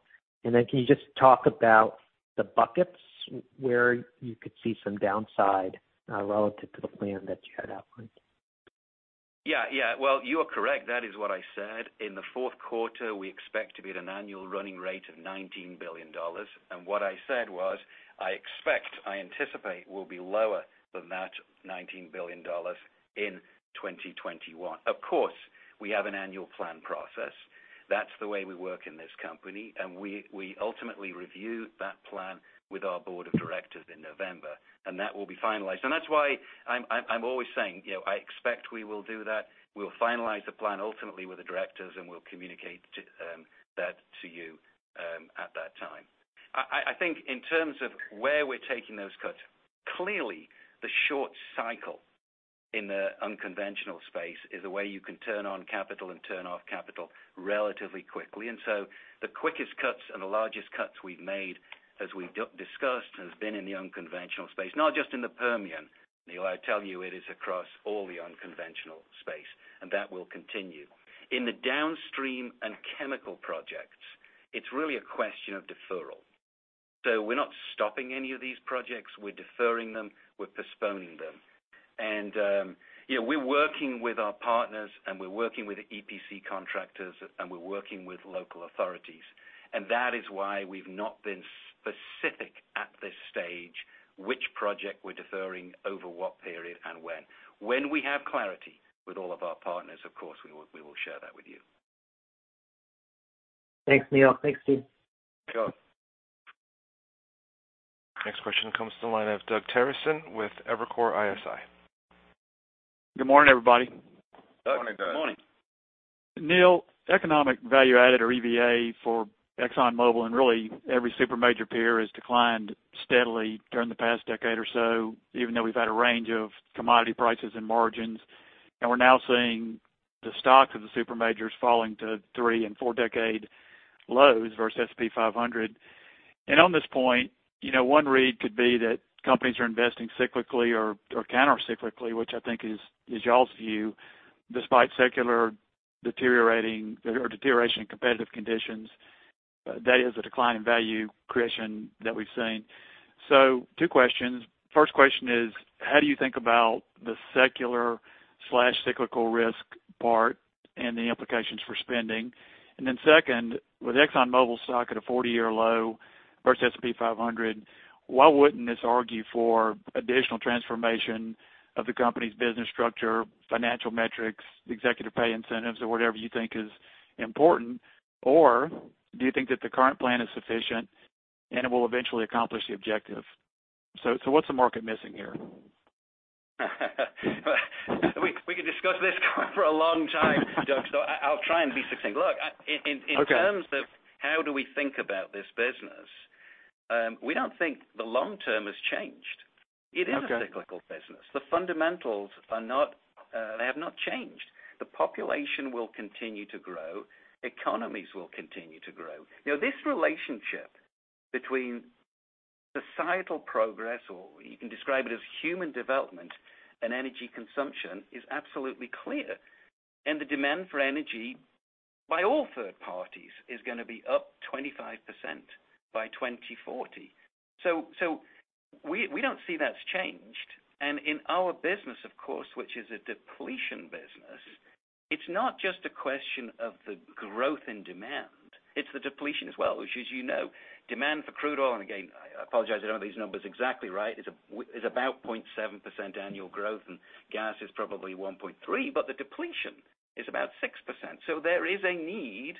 Can you just talk about the buckets where you could see some downside relative to the plan that you had outlined? Yeah. Well, you are correct. That is what I said. In the fourth quarter, we expect to be at an annual running rate of $19 billion. What I said was, I expect, I anticipate we'll be lower than that $19 billion in 2021. Of course, we have an annual plan process. That's the way we work in this company. We ultimately review that plan with our Board of Directors in November, and that will be finalized. That's why I'm always saying, I expect we will do that. We'll finalize the plan ultimately with the directors, and we'll communicate that to you at that time. I think in terms of where we're taking those cuts, clearly the short cycle in the unconventional space is a way you can turn on capital and turn off capital relatively quickly. The quickest cuts and the largest cuts we've made, as we discussed, have been in the unconventional space. Not just in the Permian, Neil, I tell you it is across all the unconventional space, and that will continue. In the downstream and chemical projects, it's really a question of deferral. We're not stopping any of these projects. We're deferring them. We're postponing them. We're working with our partners, and we're working with EPC contractors, and we're working with local authorities. That is why we've not been specific at this stage which project we're deferring over what period and when. When we have clarity with all of our partners, of course, we will share that with you. Thanks, Neil. Thanks, Stephen. Sure. Next question comes to the line of Doug Terreson with Evercore ISI. Good morning, everybody. Morning, Doug. Morning. Neil, economic value added or EVA for ExxonMobil and really every super major peer has declined steadily during the past decade or so, even though we've had a range of commodity prices and margins. We're now seeing the stocks of the super majors falling to three and four-decade lows versus S&P 500. On this point, one read could be that companies are investing cyclically or counter-cyclically, which I think is y'all's view, despite secular deterioration in competitive conditions. That is a decline in value creation that we've seen. Two questions. First question is, how do you think about the secular/cyclical risk part and the implications for spending? Second, with ExxonMobil stock at a 40-year low versus S&P 500, why wouldn't this argue for additional transformation of the company's business structure, financial metrics, executive pay incentives, or whatever you think is important? Do you think that the current plan is sufficient and it will eventually accomplish the objective? What's the market missing here? We could discuss this for a long time, Doug, so I'll try and be succinct. Okay In terms of how do we think about this business, we don't think the long term has changed. Okay. It is a cyclical business. The fundamentals have not changed. The population will continue to grow. Economies will continue to grow. This relationship between societal progress, or you can describe it as human development, and energy consumption is absolutely clear. The demand for energy by all third parties is going to be up 25% by 2040. We don't see that's changed. In our business, of course, which is a depletion business, it's not just a question of the growth in demand, it's the depletion as well, which as you know, demand for crude oil, and again, I apologize, I don't have these numbers exactly right, is about 0.7% annual growth, and gas is probably 1.3%, but the depletion is about 6%. There is a need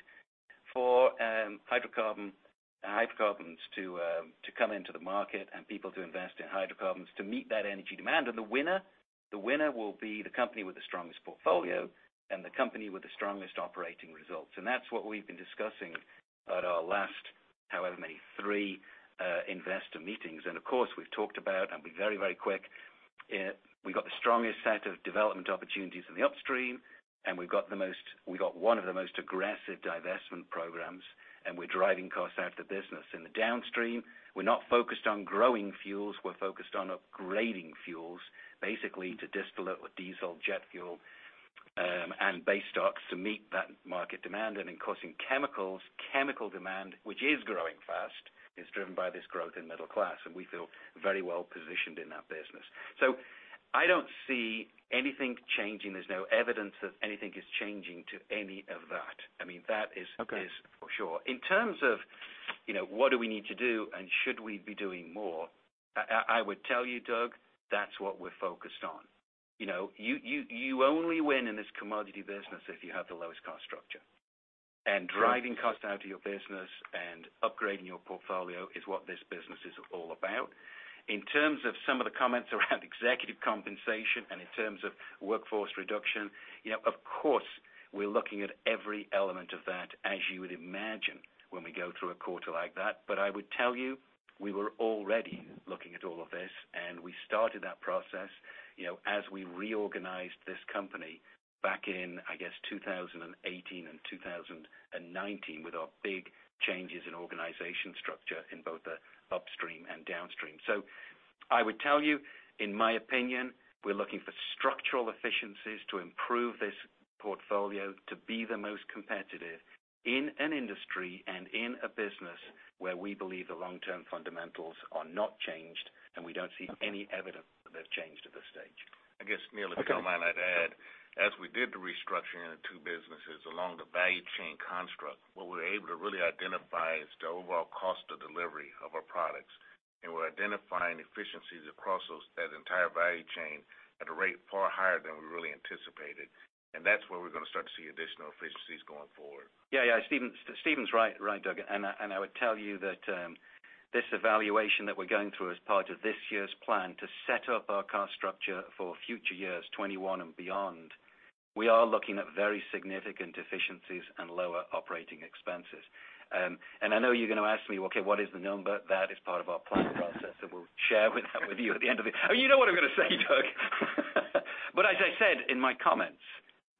for hydrocarbons to come into the market and people to invest in hydrocarbons to meet that energy demand. The winner will be the company with the strongest portfolio and the company with the strongest operating results. That's what we've been discussing at our last, however many, three investor meetings. Of course, we've talked about, and I'll be very quick, we've got the strongest set of development opportunities in the upstream, and we've got one of the most aggressive divestment programs, and we're driving costs out of the business. In the downstream, we're not focused on growing fuels. We're focused on upgrading fuels, basically to distillate with diesel, jet fuel, and base stocks to meet that market demand. In chemicals, chemical demand, which is growing fast, is driven by this growth in middle class, and we feel very well positioned in that business. I don't see anything changing. There's no evidence that anything is changing to any of that. Okay for sure. In terms of what do we need to do and should we be doing more, I would tell you, Doug, that's what we're focused on. You only win in this commodity business if you have the lowest cost structure. Driving cost out of your business and upgrading your portfolio is what this business is all about. In terms of some of the comments around executive compensation and in terms of workforce reduction, of course, we're looking at every element of that, as you would imagine, when we go through a quarter like that. I would tell you, we were already looking at all of this, and we started that process as we reorganized this company back in, I guess, 2018 and 2019 with our big changes in organization structure in both the upstream and downstream. I would tell you, in my opinion, we're looking for structural efficiencies to improve this portfolio to be the most competitive in an industry and in a business where we believe the long-term fundamentals are not changed, and we don't see any evidence that they've changed at this stage. I guess, Neil, if you don't mind, I'd add, as we did the restructuring of the two businesses along the value chain construct, what we were able to really identify is the overall cost of delivery of our products. We're identifying efficiencies across that entire value chain at a rate far higher than we really anticipated. That's where we're going to start to see additional efficiencies going forward. Yeah. Stephen's right, Doug. I would tell you that this evaluation that we're going through as part of this year's plan to set up our cost structure for future years 2021 and beyond, we are looking at very significant efficiencies and lower operating expenses. I know you're going to ask me, "Okay, what is the number?" That is part of our planning process that we'll share with you at the end of the. Oh, you know what I'm going to say, Doug. As I said in my comments,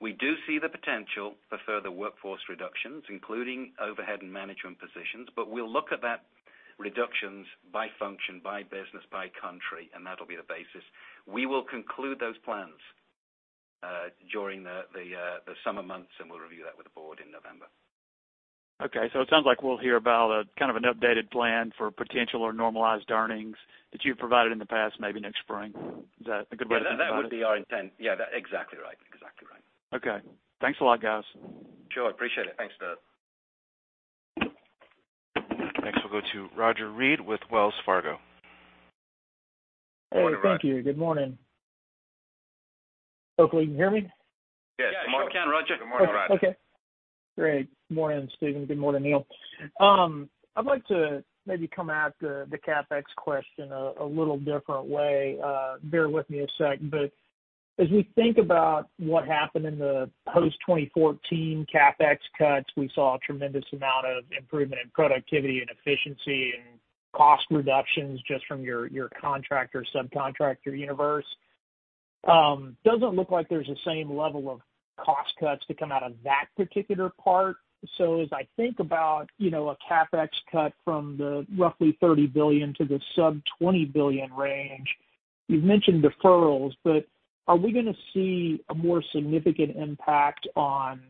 we do see the potential for further workforce reductions, including overhead and management positions, but we'll look at that reductions by function, by business, by country, and that'll be the basis. We will conclude those plans during the summer months, and we'll review that with the board in November. Okay. It sounds like we'll hear about an updated plan for potential or normalized earnings that you've provided in the past, maybe next spring. Is that a good way to think about it? Yeah. That would be our intent. Yeah, exactly right. Okay. Thanks a lot, guys. Sure. Appreciate it. Thanks, Doug. Next, we'll go to Roger Read with Wells Fargo. Hey. Thank you. Good morning. Okay, can you hear me? Yes. Can you hear me, Roger? Yeah, I can. Good morning, Roger. Okay, great. Good morning, Stephen. Good morning, Neil. I'd like to maybe come at the CapEx question a little different way. Bear with me a second. As we think about what happened in the post 2014 CapEx cuts, we saw a tremendous amount of improvement in productivity and efficiency and cost reductions just from your contractor, subcontractor universe. Doesn't look like there's the same level of cost cuts to come out of that particular part. As I think about a CapEx cut from the roughly $30 billion to the sub $20 billion range, you've mentioned deferrals, but are we going to see a more significant impact on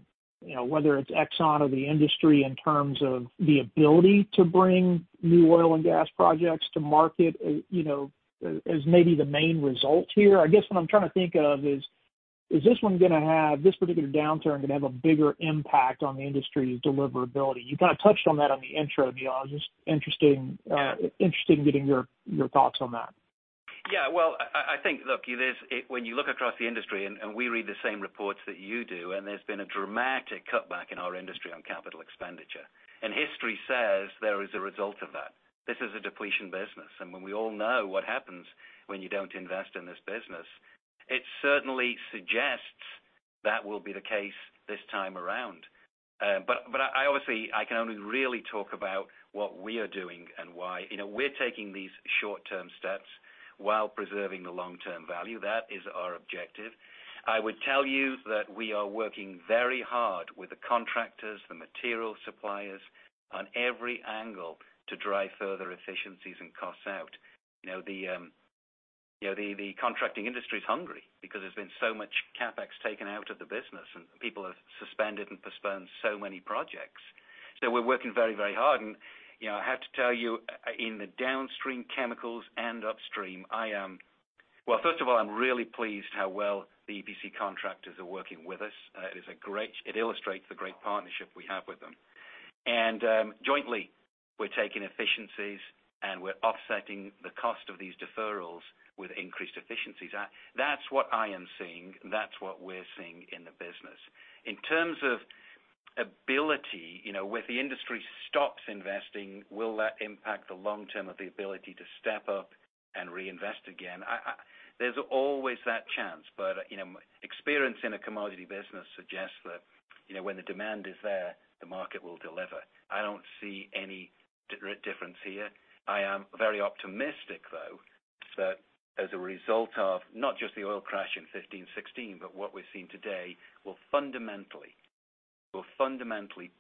whether it's Exxon or the industry in terms of the ability to bring new oil and gas projects to market as maybe the main result here? I guess what I'm trying to think of is this particular downturn going to have a bigger impact on the industry's deliverability? You touched on that on the intro, Neil. I'm just interested in getting your thoughts on that. Yeah. Well, I think when you look across the industry, and we read the same reports that you do, and there's been a dramatic cutback in our industry on capital expenditure. History says there is a result of that. This is a depletion business, and we all know what happens when you don't invest in this business. It certainly suggests that will be the case this time around. Obviously, I can only really talk about what we are doing and why. We're taking these short-term steps while preserving the long-term value. That is our objective. I would tell you that we are working very hard with the contractors and the material suppliers, on every angle, to drive further efficiencies and costs out. The contracting industry is hungry because there's been so much CapEx taken out of the business, and people have suspended and postponed so many projects. We're working very hard. I have to tell you, in the downstream chemicals and upstream, first of all, I'm really pleased how well the EPC contractors are working with us. It illustrates the great partnership we have with them. Jointly, we're taking efficiencies, and we're offsetting the cost of these deferrals with increased efficiencies. That's what I am seeing. That's what we're seeing in the business. In terms of ability, when the industry stops investing, will that impact the long-term of the ability to step up and reinvest again? There's always that chance, but experience in a commodity business suggests that when the demand is there, the market will deliver. I don't see any difference here. I am very optimistic, though, that as a result of not just the oil crash in 2015, 2016, but what we're seeing today, will fundamentally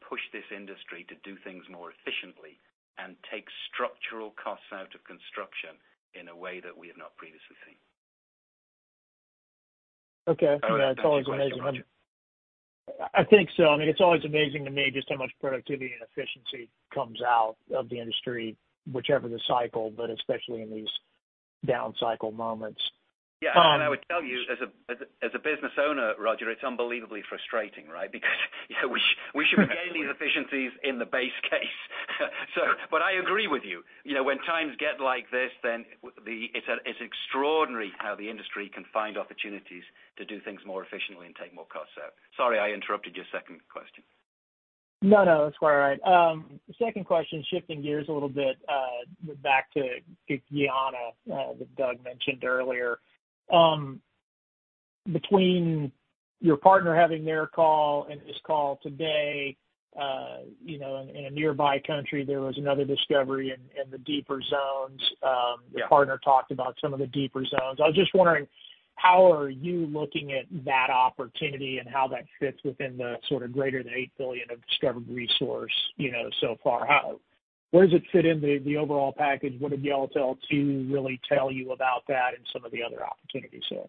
push this industry to do things more efficiently and take structural costs out of construction in a way that we have not previously seen. Okay. Yeah, it's always amazing. Sorry. Did I answer your question? I think so. It's always amazing to me just how much productivity and efficiency comes out of the industry, whichever the cycle, but especially in these down-cycle moments. Yeah. I would tell you, as a business owner, Roger, it's unbelievably frustrating, right? We should be getting these efficiencies in the base case. I agree with you. When times get like this, it's extraordinary how the industry can find opportunities to do things more efficiently and take more costs out. Sorry, I interrupted your second question. No, that's quite all right. Second question, shifting gears a little bit back to Guyana that Doug mentioned earlier. Between your partner having their call and this call today, in a nearby country, there was another discovery in the deeper zones. Yeah. The partner talked about some of the deeper zones. I was just wondering, how are you looking at that opportunity, and how that fits within the greater than $8 billion of discovered resource so far? Where does it fit in the overall package? What did Yellowtail 2 really tell you about that and some of the other opportunities there?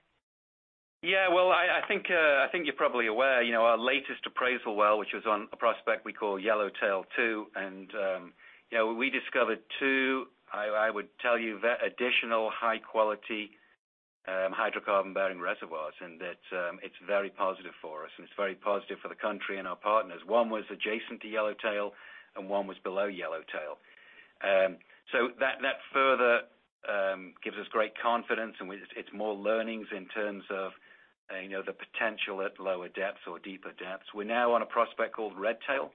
Yeah. Well, I think you're probably aware, our latest appraisal well, which was on a prospect we call Yellowtail 2. We discovered two, I would tell you, additional high-quality hydrocarbon-bearing reservoirs, and that it's very positive for us, and it's very positive for the country and our partners. One was adjacent to Yellowtail, and one was below Yellowtail. That further gives us great confidence, and it's more learnings in terms of the potential at lower depths or deeper depths. We're now on a prospect called Redtail.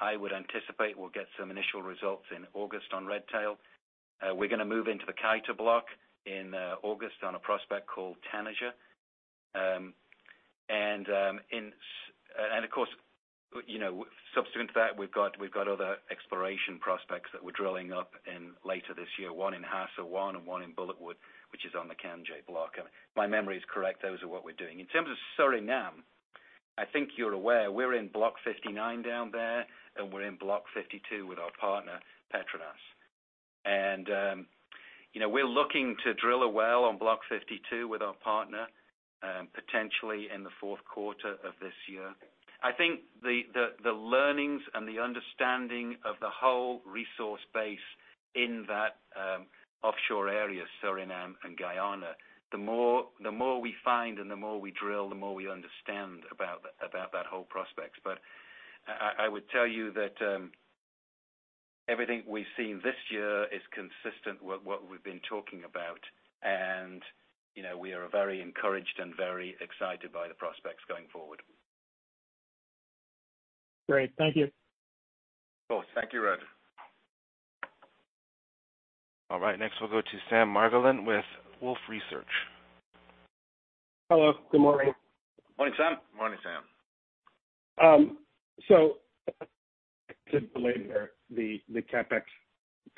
I would anticipate we'll get some initial results in August on Redtail. We're going to move into the Kaieteur Block in August on a prospect called Tanager. Of course, subsequent to that, we've got other exploration prospects that we're drilling up in later this year, one in Hassa-1 and one in Bulletwood-1, which is on the Canje Block. If my memory is correct, those are what we're doing. In terms of Suriname, I think you're aware we're in Block 59 down there, and we're in Block 52 with our partner, Petronas. We're looking to drill a well on Block 52 with our partner, potentially in the fourth quarter of this year. I think the learnings and the understanding of the whole resource base in that offshore area, Suriname and Guyana, the more we find and the more we drill, the more we understand about that whole prospect. I would tell you that everything we've seen this year is consistent with what we've been talking about, and we are very encouraged and very excited by the prospects going forward. Great. Thank you. Cool. Thank you, Roger. All right. Next, we'll go to Sam Margolin with Wolfe Research. Hello, good morning. Morning, Sam. Morning, Sam. I could belabor the CapEx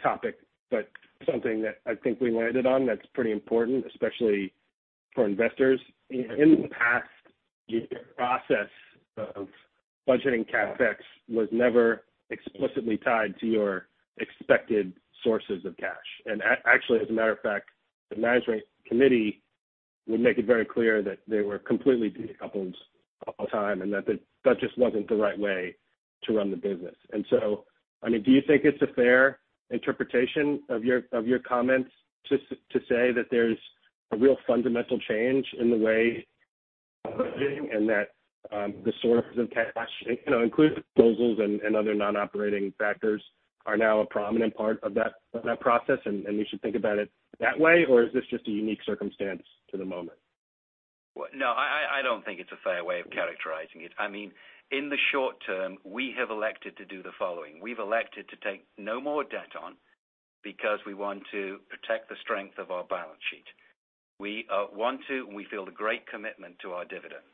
topic, but something that I think we landed on that's pretty important, especially for investors. In the past year, process of budgeting CapEx was never explicitly tied to your expected sources of cash. Actually, as a matter of fact, the management committee would make it very clear that they were completely decoupled all the time, and that just wasn't the right way to run the business. Do you think it's a fair interpretation of your comments to say that there's a real fundamental change in the way, and that the source of cash, including disposals and other non-operating factors, are now a prominent part of that process, and we should think about it that way, or is this just a unique circumstance to the moment? No, I don't think it's a fair way of characterizing it. In the short term, we have elected to do the following. We've elected to take no more debt on because we want to protect the strength of our balance sheet. We want to, and we feel a great commitment to our dividend.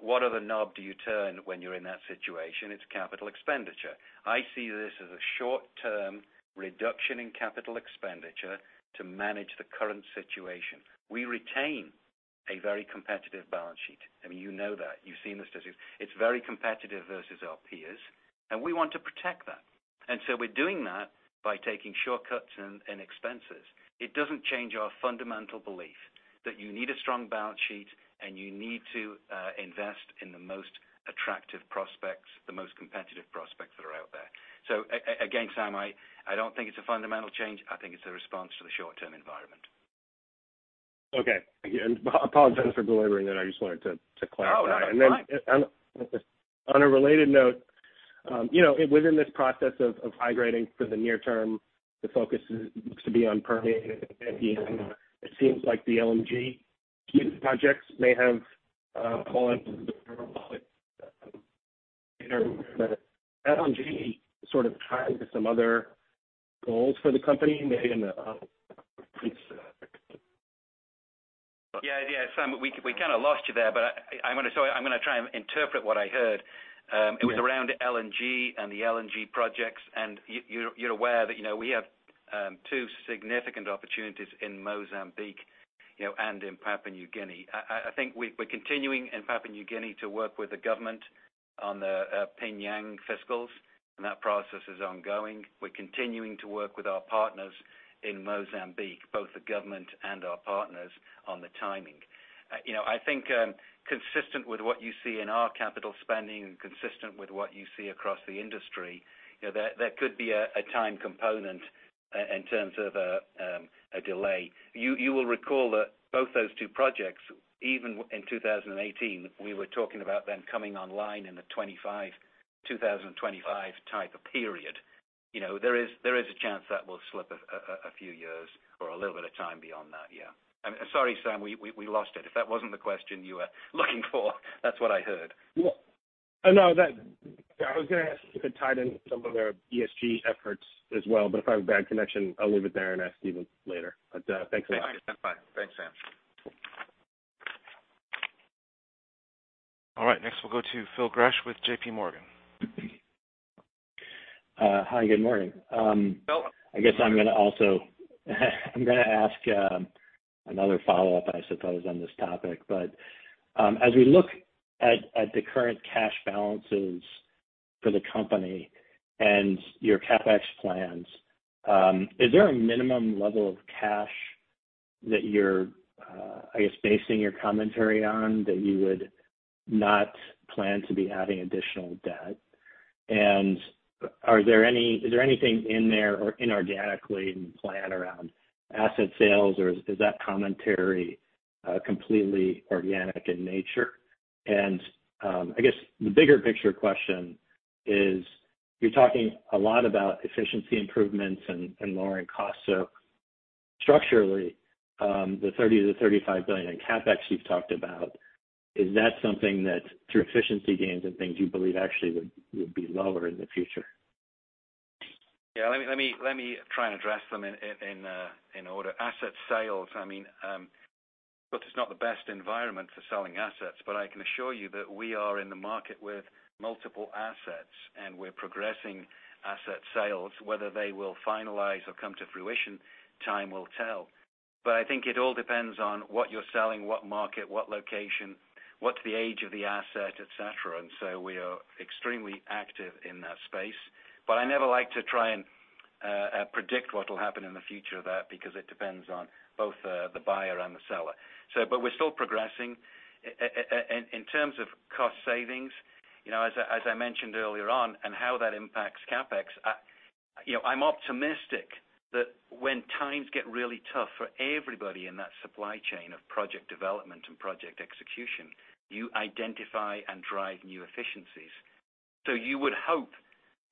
What other knob do you turn when you're in that situation? It's capital expenditure. I see this as a short-term reduction in capital expenditure to manage the current situation. We retain a very competitive balance sheet. You know that. You've seen the statistics. It's very competitive versus our peers, and we want to protect that. We're doing that by taking shortcuts in expenses. It doesn't change our fundamental belief that you need a strong balance sheet, and you need to invest in the most attractive prospects, the most competitive prospects that are out there. Again, Sam, I don't think it's a fundamental change. I think it's a response to the short-term environment. Okay. Again, apologize for belaboring that. I just wanted to clarify. Oh, no. Fine. On a related note. Within this process of high-gradingfor the near term, the focus looks to be on Permian. It seems like the LNG projects may have fallen through. Is LNG tied to some other goals for the company maybe in the future? Yeah. Sam, we kind of lost you there, but I'm going to try and interpret what I heard. Okay. It was around LNG and the LNG projects. You're aware that we have two significant opportunities in Mozambique and in Papua New Guinea. I think we're continuing in Papua New Guinea to work with the government on the PNG fiscals, and that process is ongoing. We're continuing to work with our partners in Mozambique, both the government and our partners on the timing. I think, consistent with what you see in our capital spending and consistent with what you see across the industry, there could be a time component in terms of a delay. You will recall that both those two projects, even in 2018, we were talking about them coming online in the 2025 type of period. There is a chance that will slip a few years or a little bit of time beyond that, yeah. Sorry, Sam, we lost it. If that wasn't the question you were looking for, that's what I heard. No. I was going to ask if it tied in some of our ESG efforts as well, but if I have a bad connection, I'll leave it there and ask even later. Thanks a lot. Okay. Bye. Thanks, Sam. All right. Next we'll go to Phil Gresh with JPMorgan. Hi, good morning. Phil. I guess I'm going to ask another follow-up, I suppose, on this topic. As we look at the current cash balances for the company and your CapEx plans, is there a minimum level of cash that you're, I guess, basing your commentary on that you would not plan to be adding additional debt? Is there anything in there or inorganically in plan around asset sales, or is that commentary completely organic in nature? I guess the bigger picture question is you're talking a lot about efficiency improvements and lowering costs. Structurally, the $30 billion-$35 billion in CapEx you've talked about is that something that, through efficiency gains and things you believe actually would be lower in the future? Yeah. Let me try and address them in order. Asset sales. Look, it's not the best environment for selling assets. I can assure you that we are in the market with multiple assets, and we're progressing asset sales. Whether they will finalize or come to fruition, time will tell. I think it all depends on what you're selling, what market, what location, what's the age of the asset, et cetera. We are extremely active in that space. I never like to try and predict what will happen in the future there because it depends on both the buyer and the seller. We're still progressing. In terms of cost savings, as I mentioned earlier on and how that impacts CapEx. I'm optimistic that when times get really tough for everybody in that supply chain of project development and project execution, you identify and drive new efficiencies. You would hope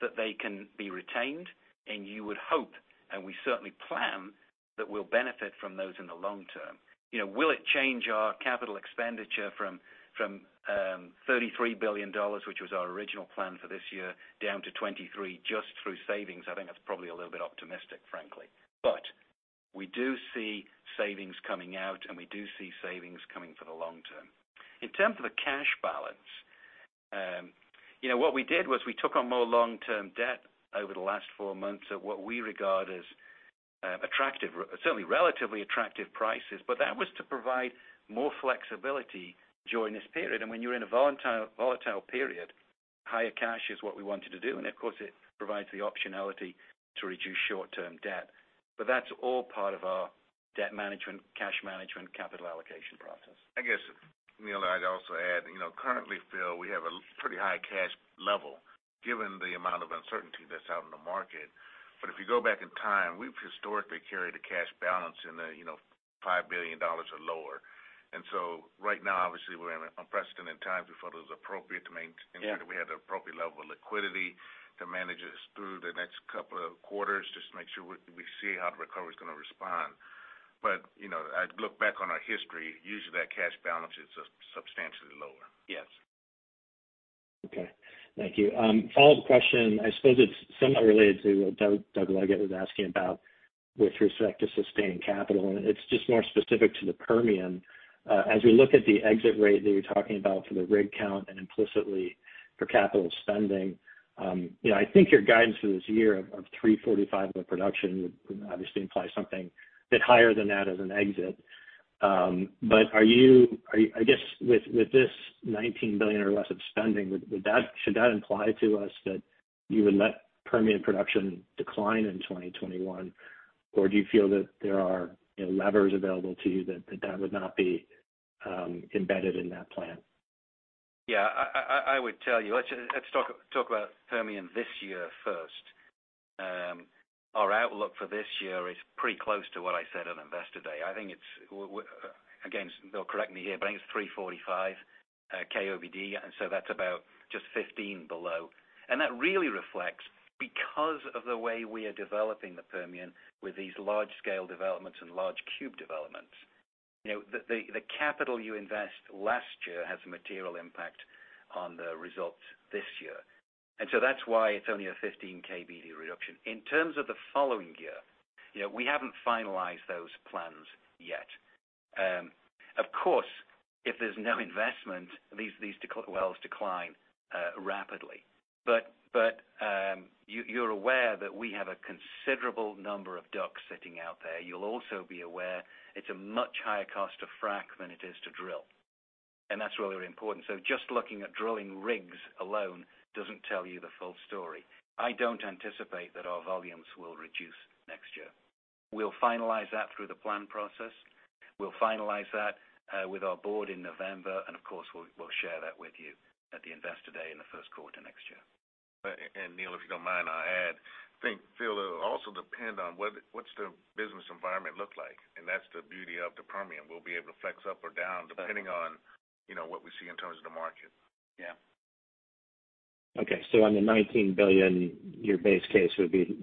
that they can be retained, and you would hope, and we certainly plan, that we'll benefit from those in the long term. Will it change our capital expenditure from $33 billion, which was our original plan for this year, down to $23 billion just through savings? I think that's probably a little bit optimistic, frankly. We do see savings coming out, and we do see savings coming for the long term. In terms of the cash balance. What we did was we took on more long-term debt over the last four months at what we regard as certainly relatively attractive prices. That was to provide more flexibility during this period. When you're in a volatile period, higher cash is what we want to do. Of course, it provides the optionality to reduce short-term debt. That's all part of our debt management, cash management, capital allocation process. I guess, Neil, I'd also add Phil, we have a pretty high cash level given the amount of uncertainty that's out in the market. If you go back in time, we've historically carried a cash balance in the $5 billion or lower. Right now, obviously, we're in unprecedented times. We thought it was appropriate to make. Yeah Sure we had the appropriate level of liquidity to manage us through the next couple of quarters just to make sure we see how the recovery's going to respond. I look back on our history, usually that cash balance is substantially lower. Yes. Okay. Thank you. Follow-up question, I suppose it's somewhat related to what Doug Leggate was asking about with respect to sustained capital, and it's just more specific to the Permian. As we look at the exit rate that you're talking about for the rig count and implicitly for capital spending, I think your guidance for this year of 345 oil production would obviously imply something a bit higher than that as an exit. I guess with this $19 billion or less of spending, should that imply to us that you would let Permian production decline in 2021? Do you feel that there are levers available to you that would not be embedded in that plan? I would tell you, let's talk about Permian this year first. Our outlook for this year is pretty close to what I said on Investor Day. Again, Bill, correct me here, but I think it's 345 KBPD, and so that's about just 15 below. That really reflects because of the way we are developing the Permian with these large-scale developments and large cube developments. The capital you invest last year has a material impact on the results this year. So that's why it's only a 15 KBPD reduction. In terms of the following year, we haven't finalized those plans yet. Of course, if there's no investment, these wells decline rapidly. You're aware that we have a considerable number of DUCs sitting out there. You'll also be aware it's a much higher cost to frack than it is to drill. That's really important. Just looking at drilling rigs alone doesn't tell you the full story. I don't anticipate that our volumes will reduce next year. We'll finalize that through the plan process. We'll finalize that with our board in November, and of course, we'll share that with you at the Investor Day in the first quarter next year. Neil, if you don't mind, I'll add. I think, Phil, it'll also depend on what the business environment looks like. That's the beauty of the Permian. We'll be able to flex up or down depending on what we see in terms of the market. Yeah. Okay. On the $19 billion, your base case would be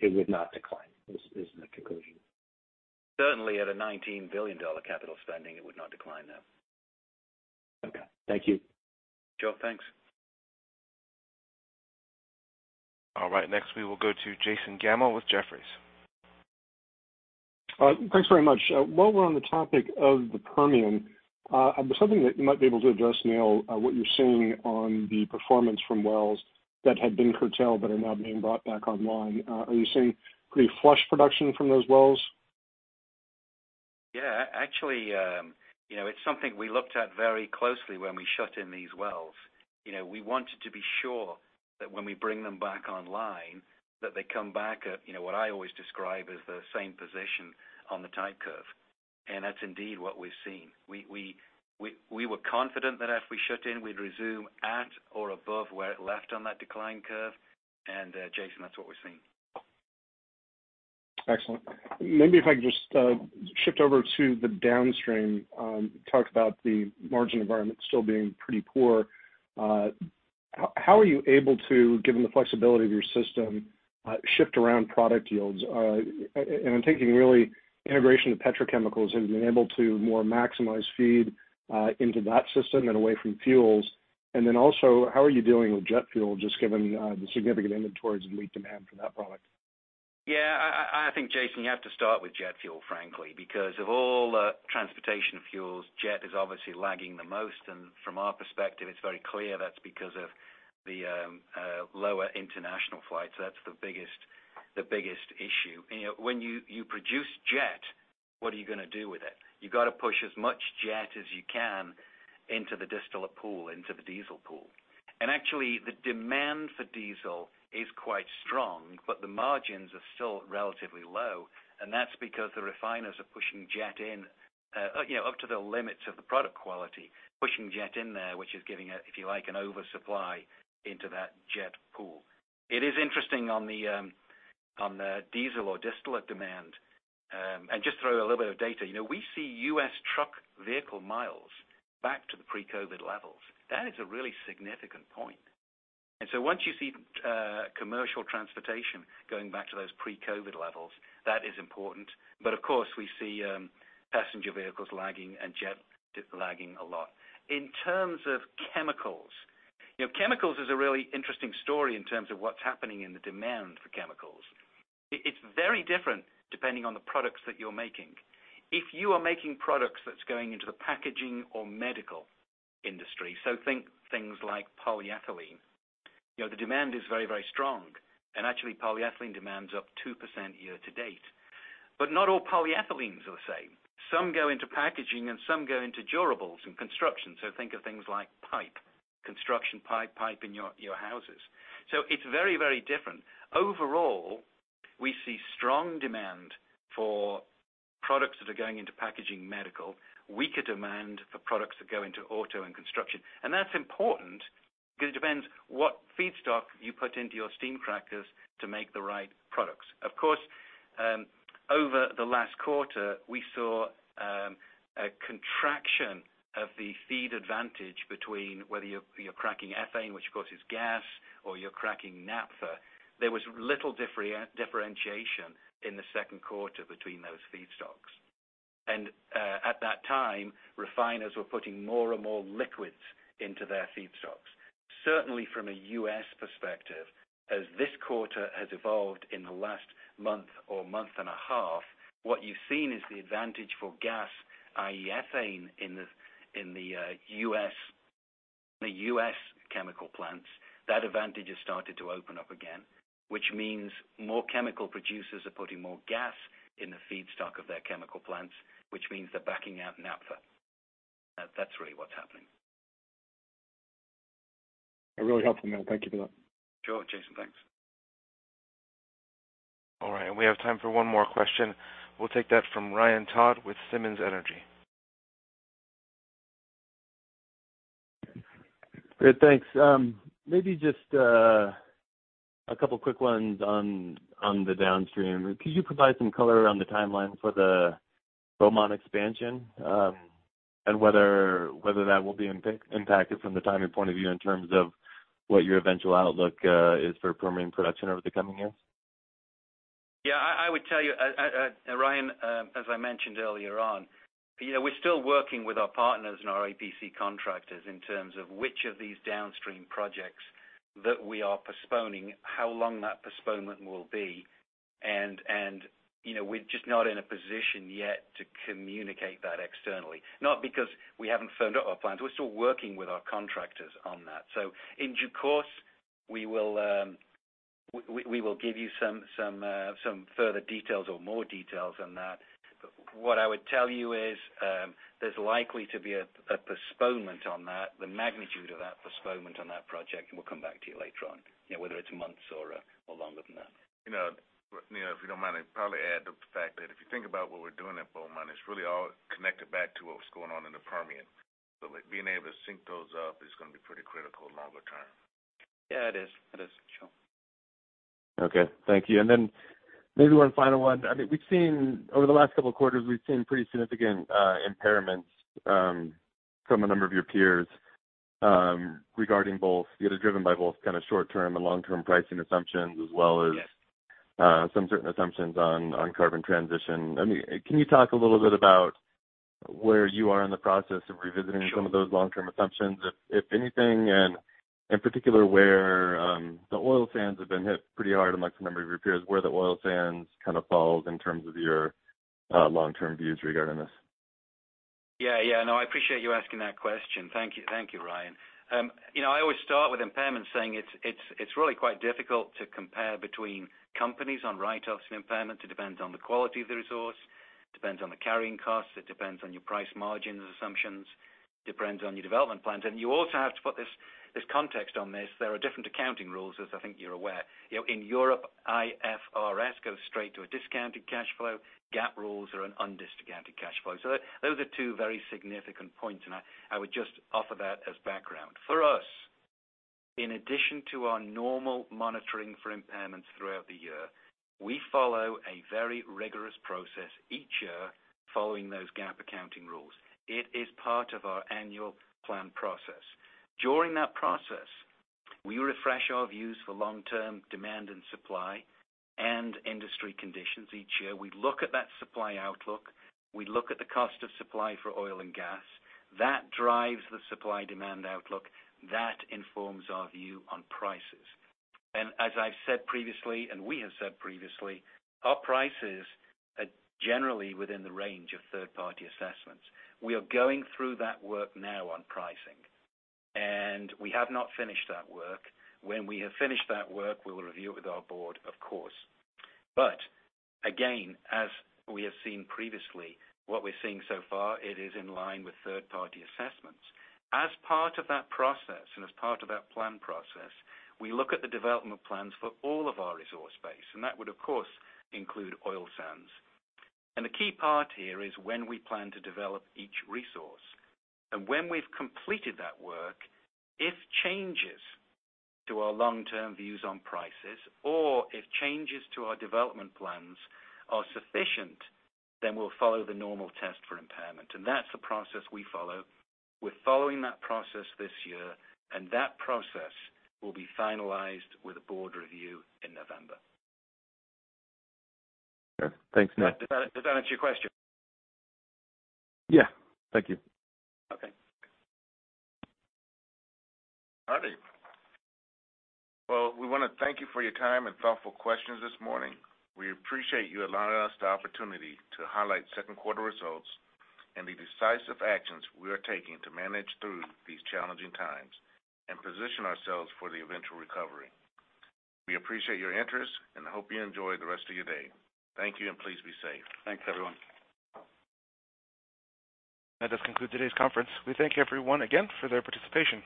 it would not decline, is my conclusion. Certainly, at a $19 billion capital spending, it would not decline, no. Okay. Thank you. Joe, thanks. All right. Next, we will go to Jason Gammel with Jefferies. Thanks very much. While we're on the topic of the Permian, something that you might be able to address, Neil, what you're seeing on the performance from wells that had been curtailed but are now being brought back online? Are you seeing pretty flush production from those wells? Yeah. Actually, it's something we looked at very closely when we shut in these wells. We wanted to be sure that when we bring them back online, they come back at what I always describe as the same position on the type curve. That's indeed what we've seen. We were confident that if we shut in, we'd resume at or above where it left on that decline curve. Jason, that's what we're seeing. Excellent. Maybe if I could just shift over to the downstream. Talk about the margin environment still being pretty poor. How are you able to, given the flexibility of your system, shift around product yields? I'm thinking really, integration of petrochemicals, have you been able to more maximize feed into that system and away from fuels? Also, how are you doing with jet fuel, just given the significant inventories and weak demand for that product? Yeah. I think, Jason, you have to start with jet fuel, frankly, because of all transportation fuels, jet is obviously lagging the most. From our perspective, it's very clear that's because of the lower international flights. That's the biggest issue. When you produce jet, what are you going to do with it? You got to push as much jet as you can into the distillate pool, into the diesel pool. Actually, the demand for diesel is quite strong, but the margins are still relatively low. That's because the refiners are pushing jet in up to the limits of the product quality, pushing jet in there, which is giving, if you like, an oversupply into that jet pool. It is interesting on the diesel or distillate demand. Just throw a little bit of data. We see U.S. truck vehicle miles back to the pre-COVID levels. That is a really significant point. Once you see commercial transportation going back to those pre-COVID-19 levels, that is important. Of course, we see passenger vehicles lagging and jet lagging a lot. In terms of chemicals is a really interesting story in terms of what's happening in the demand for chemicals. It's very different depending on the products that you're making. If you are making products that's going into the packaging or medical industry, so think things like polyethylene. The demand is very, very strong. Actually, polyethylene demand's up 2% year to date. Not all polyethylenes are the same. Some go into packaging, and some go into durables and construction. Think of things like pipe. Construction pipe in your houses. It's very, very different. Overall, we see strong demand for products that are going into packaging medical, weaker demand for products that go into auto and construction. That's important because it depends what feedstock you put into your steam crackers to make the right products. Of course, over the last quarter, we saw a contraction of the feed advantage between whether you're cracking ethane, which, of course, is gas, or you're cracking naphtha. There was little differentiation in the second quarter between those feedstocks. At that time, refiners were putting more and more liquids into their feedstocks. Certainly, from a U.S. perspective, as this quarter has evolved in the last month or month and a half, what you've seen is the advantage for gas, i.e., ethane in the U.S. chemical plants. That advantage has started to open up again, which means more chemical producers are putting more gas in the feedstock of their chemical plants, which means they're backing out naphtha. That's really what's happening. Really helpful, Neil. Thank you for that. Sure, Jason. Thanks. All right. We have time for one more question. We'll take that from Ryan Todd with Simmons Energy. Great. Thanks. Maybe just a couple quick ones on the downstream. Could you provide some color around the timeline for the Beaumont expansion? Whether that will be impacted from the timing point of view in terms of what your eventual outlook is for Permian production over the coming years? Yeah, I would tell you, Ryan, as I mentioned earlier on, we're still working with our partners and our EPC contractors in terms of which of these downstream projects that we are postponing, how long that postponement will be. We're just not in a position yet to communicate that externally. Not because we haven't firmed up our plans. We're still working with our contractors on that. In due course, we will give you some further details or more details on that. What I would tell you is, there's likely to be a postponement on that. The magnitude of that postponement on that project, and we'll come back to you later on, whether it's months or longer than that. If you don't mind, I'd probably add the fact that if you think about what we're doing at Beaumont, it's really all connected back to what was going on in the Permian. Being able to sync those up is going to be pretty critical longer term. Yeah, it is. It is. Sure. Okay. Thank you. Maybe one final one. Over the last couple of quarters, we've seen pretty significant impairments from a number of your peers. It was driven by both short-term and long-term pricing assumptions, as well as. Yes Some certain assumptions on carbon transition. Can you talk a little bit about where you are in the process of revisiting? Sure of those long-term assumptions, if anything, and in particular, where the oil sands have been hit pretty hard amongst a number of your peers, where the oil sands kind of falls in terms of your long-term views regarding this? Yeah. No, I appreciate you asking that question. Thank you, Ryan. I always start with impairments saying it's really quite difficult to compare between companies on write-offs and impairments. It depends on the quality of the resource, depends on the carrying costs, it depends on your price margins assumptions, depends on your development plans. You also have to put this context on this. There are different accounting rules, as I think you're aware. In Europe, IFRS goes straight to a discounted cash flow. GAAP rules are an undisturbed cash flow. Those are two very significant points, and I would just offer that as background. For us, in addition to our normal monitoring for impairments throughout the year, we follow a very rigorous process each year following those GAAP accounting rules. It is part of our annual plan process. During that process, we refresh our views for long-term demand and supply and industry conditions each year. We look at that supply outlook. We look at the cost of supply for oil and gas. That drives the supply-demand outlook. That informs our view on prices. As I've said previously, and we have said previously, our prices are generally within the range of third-party assessments. We are going through that work now on pricing. We have not finished that work. When we have finished that work, we will review it with our board, of course. Again, as we have seen previously, what we're seeing so far, it is in line with third-party assessments. As part of that process and as part of that plan process, we look at the development plans for all of our resource base, and that would, of course, include oil sands. The key part here is when we plan to develop each resource. When we've completed that work, if changes to our long-term views on prices or if changes to our development plans are sufficient, then we'll follow the normal test for impairment. That's the process we follow. We're following that process this year, and that process will be finalized with a board review in November. Sure. Thanks, Neil. Does that answer your question? Yeah. Thank you. Okay. All right. Well, we want to thank you for your time and thoughtful questions this morning. We appreciate you allowing us the opportunity to highlight second quarter results and the decisive actions we are taking to manage through these challenging times and position ourselves for the eventual recovery. We appreciate your interest, and hope you enjoy the rest of your day. Thank you, and please be safe. Thanks, everyone. That does conclude today's conference. We thank everyone again for their participation.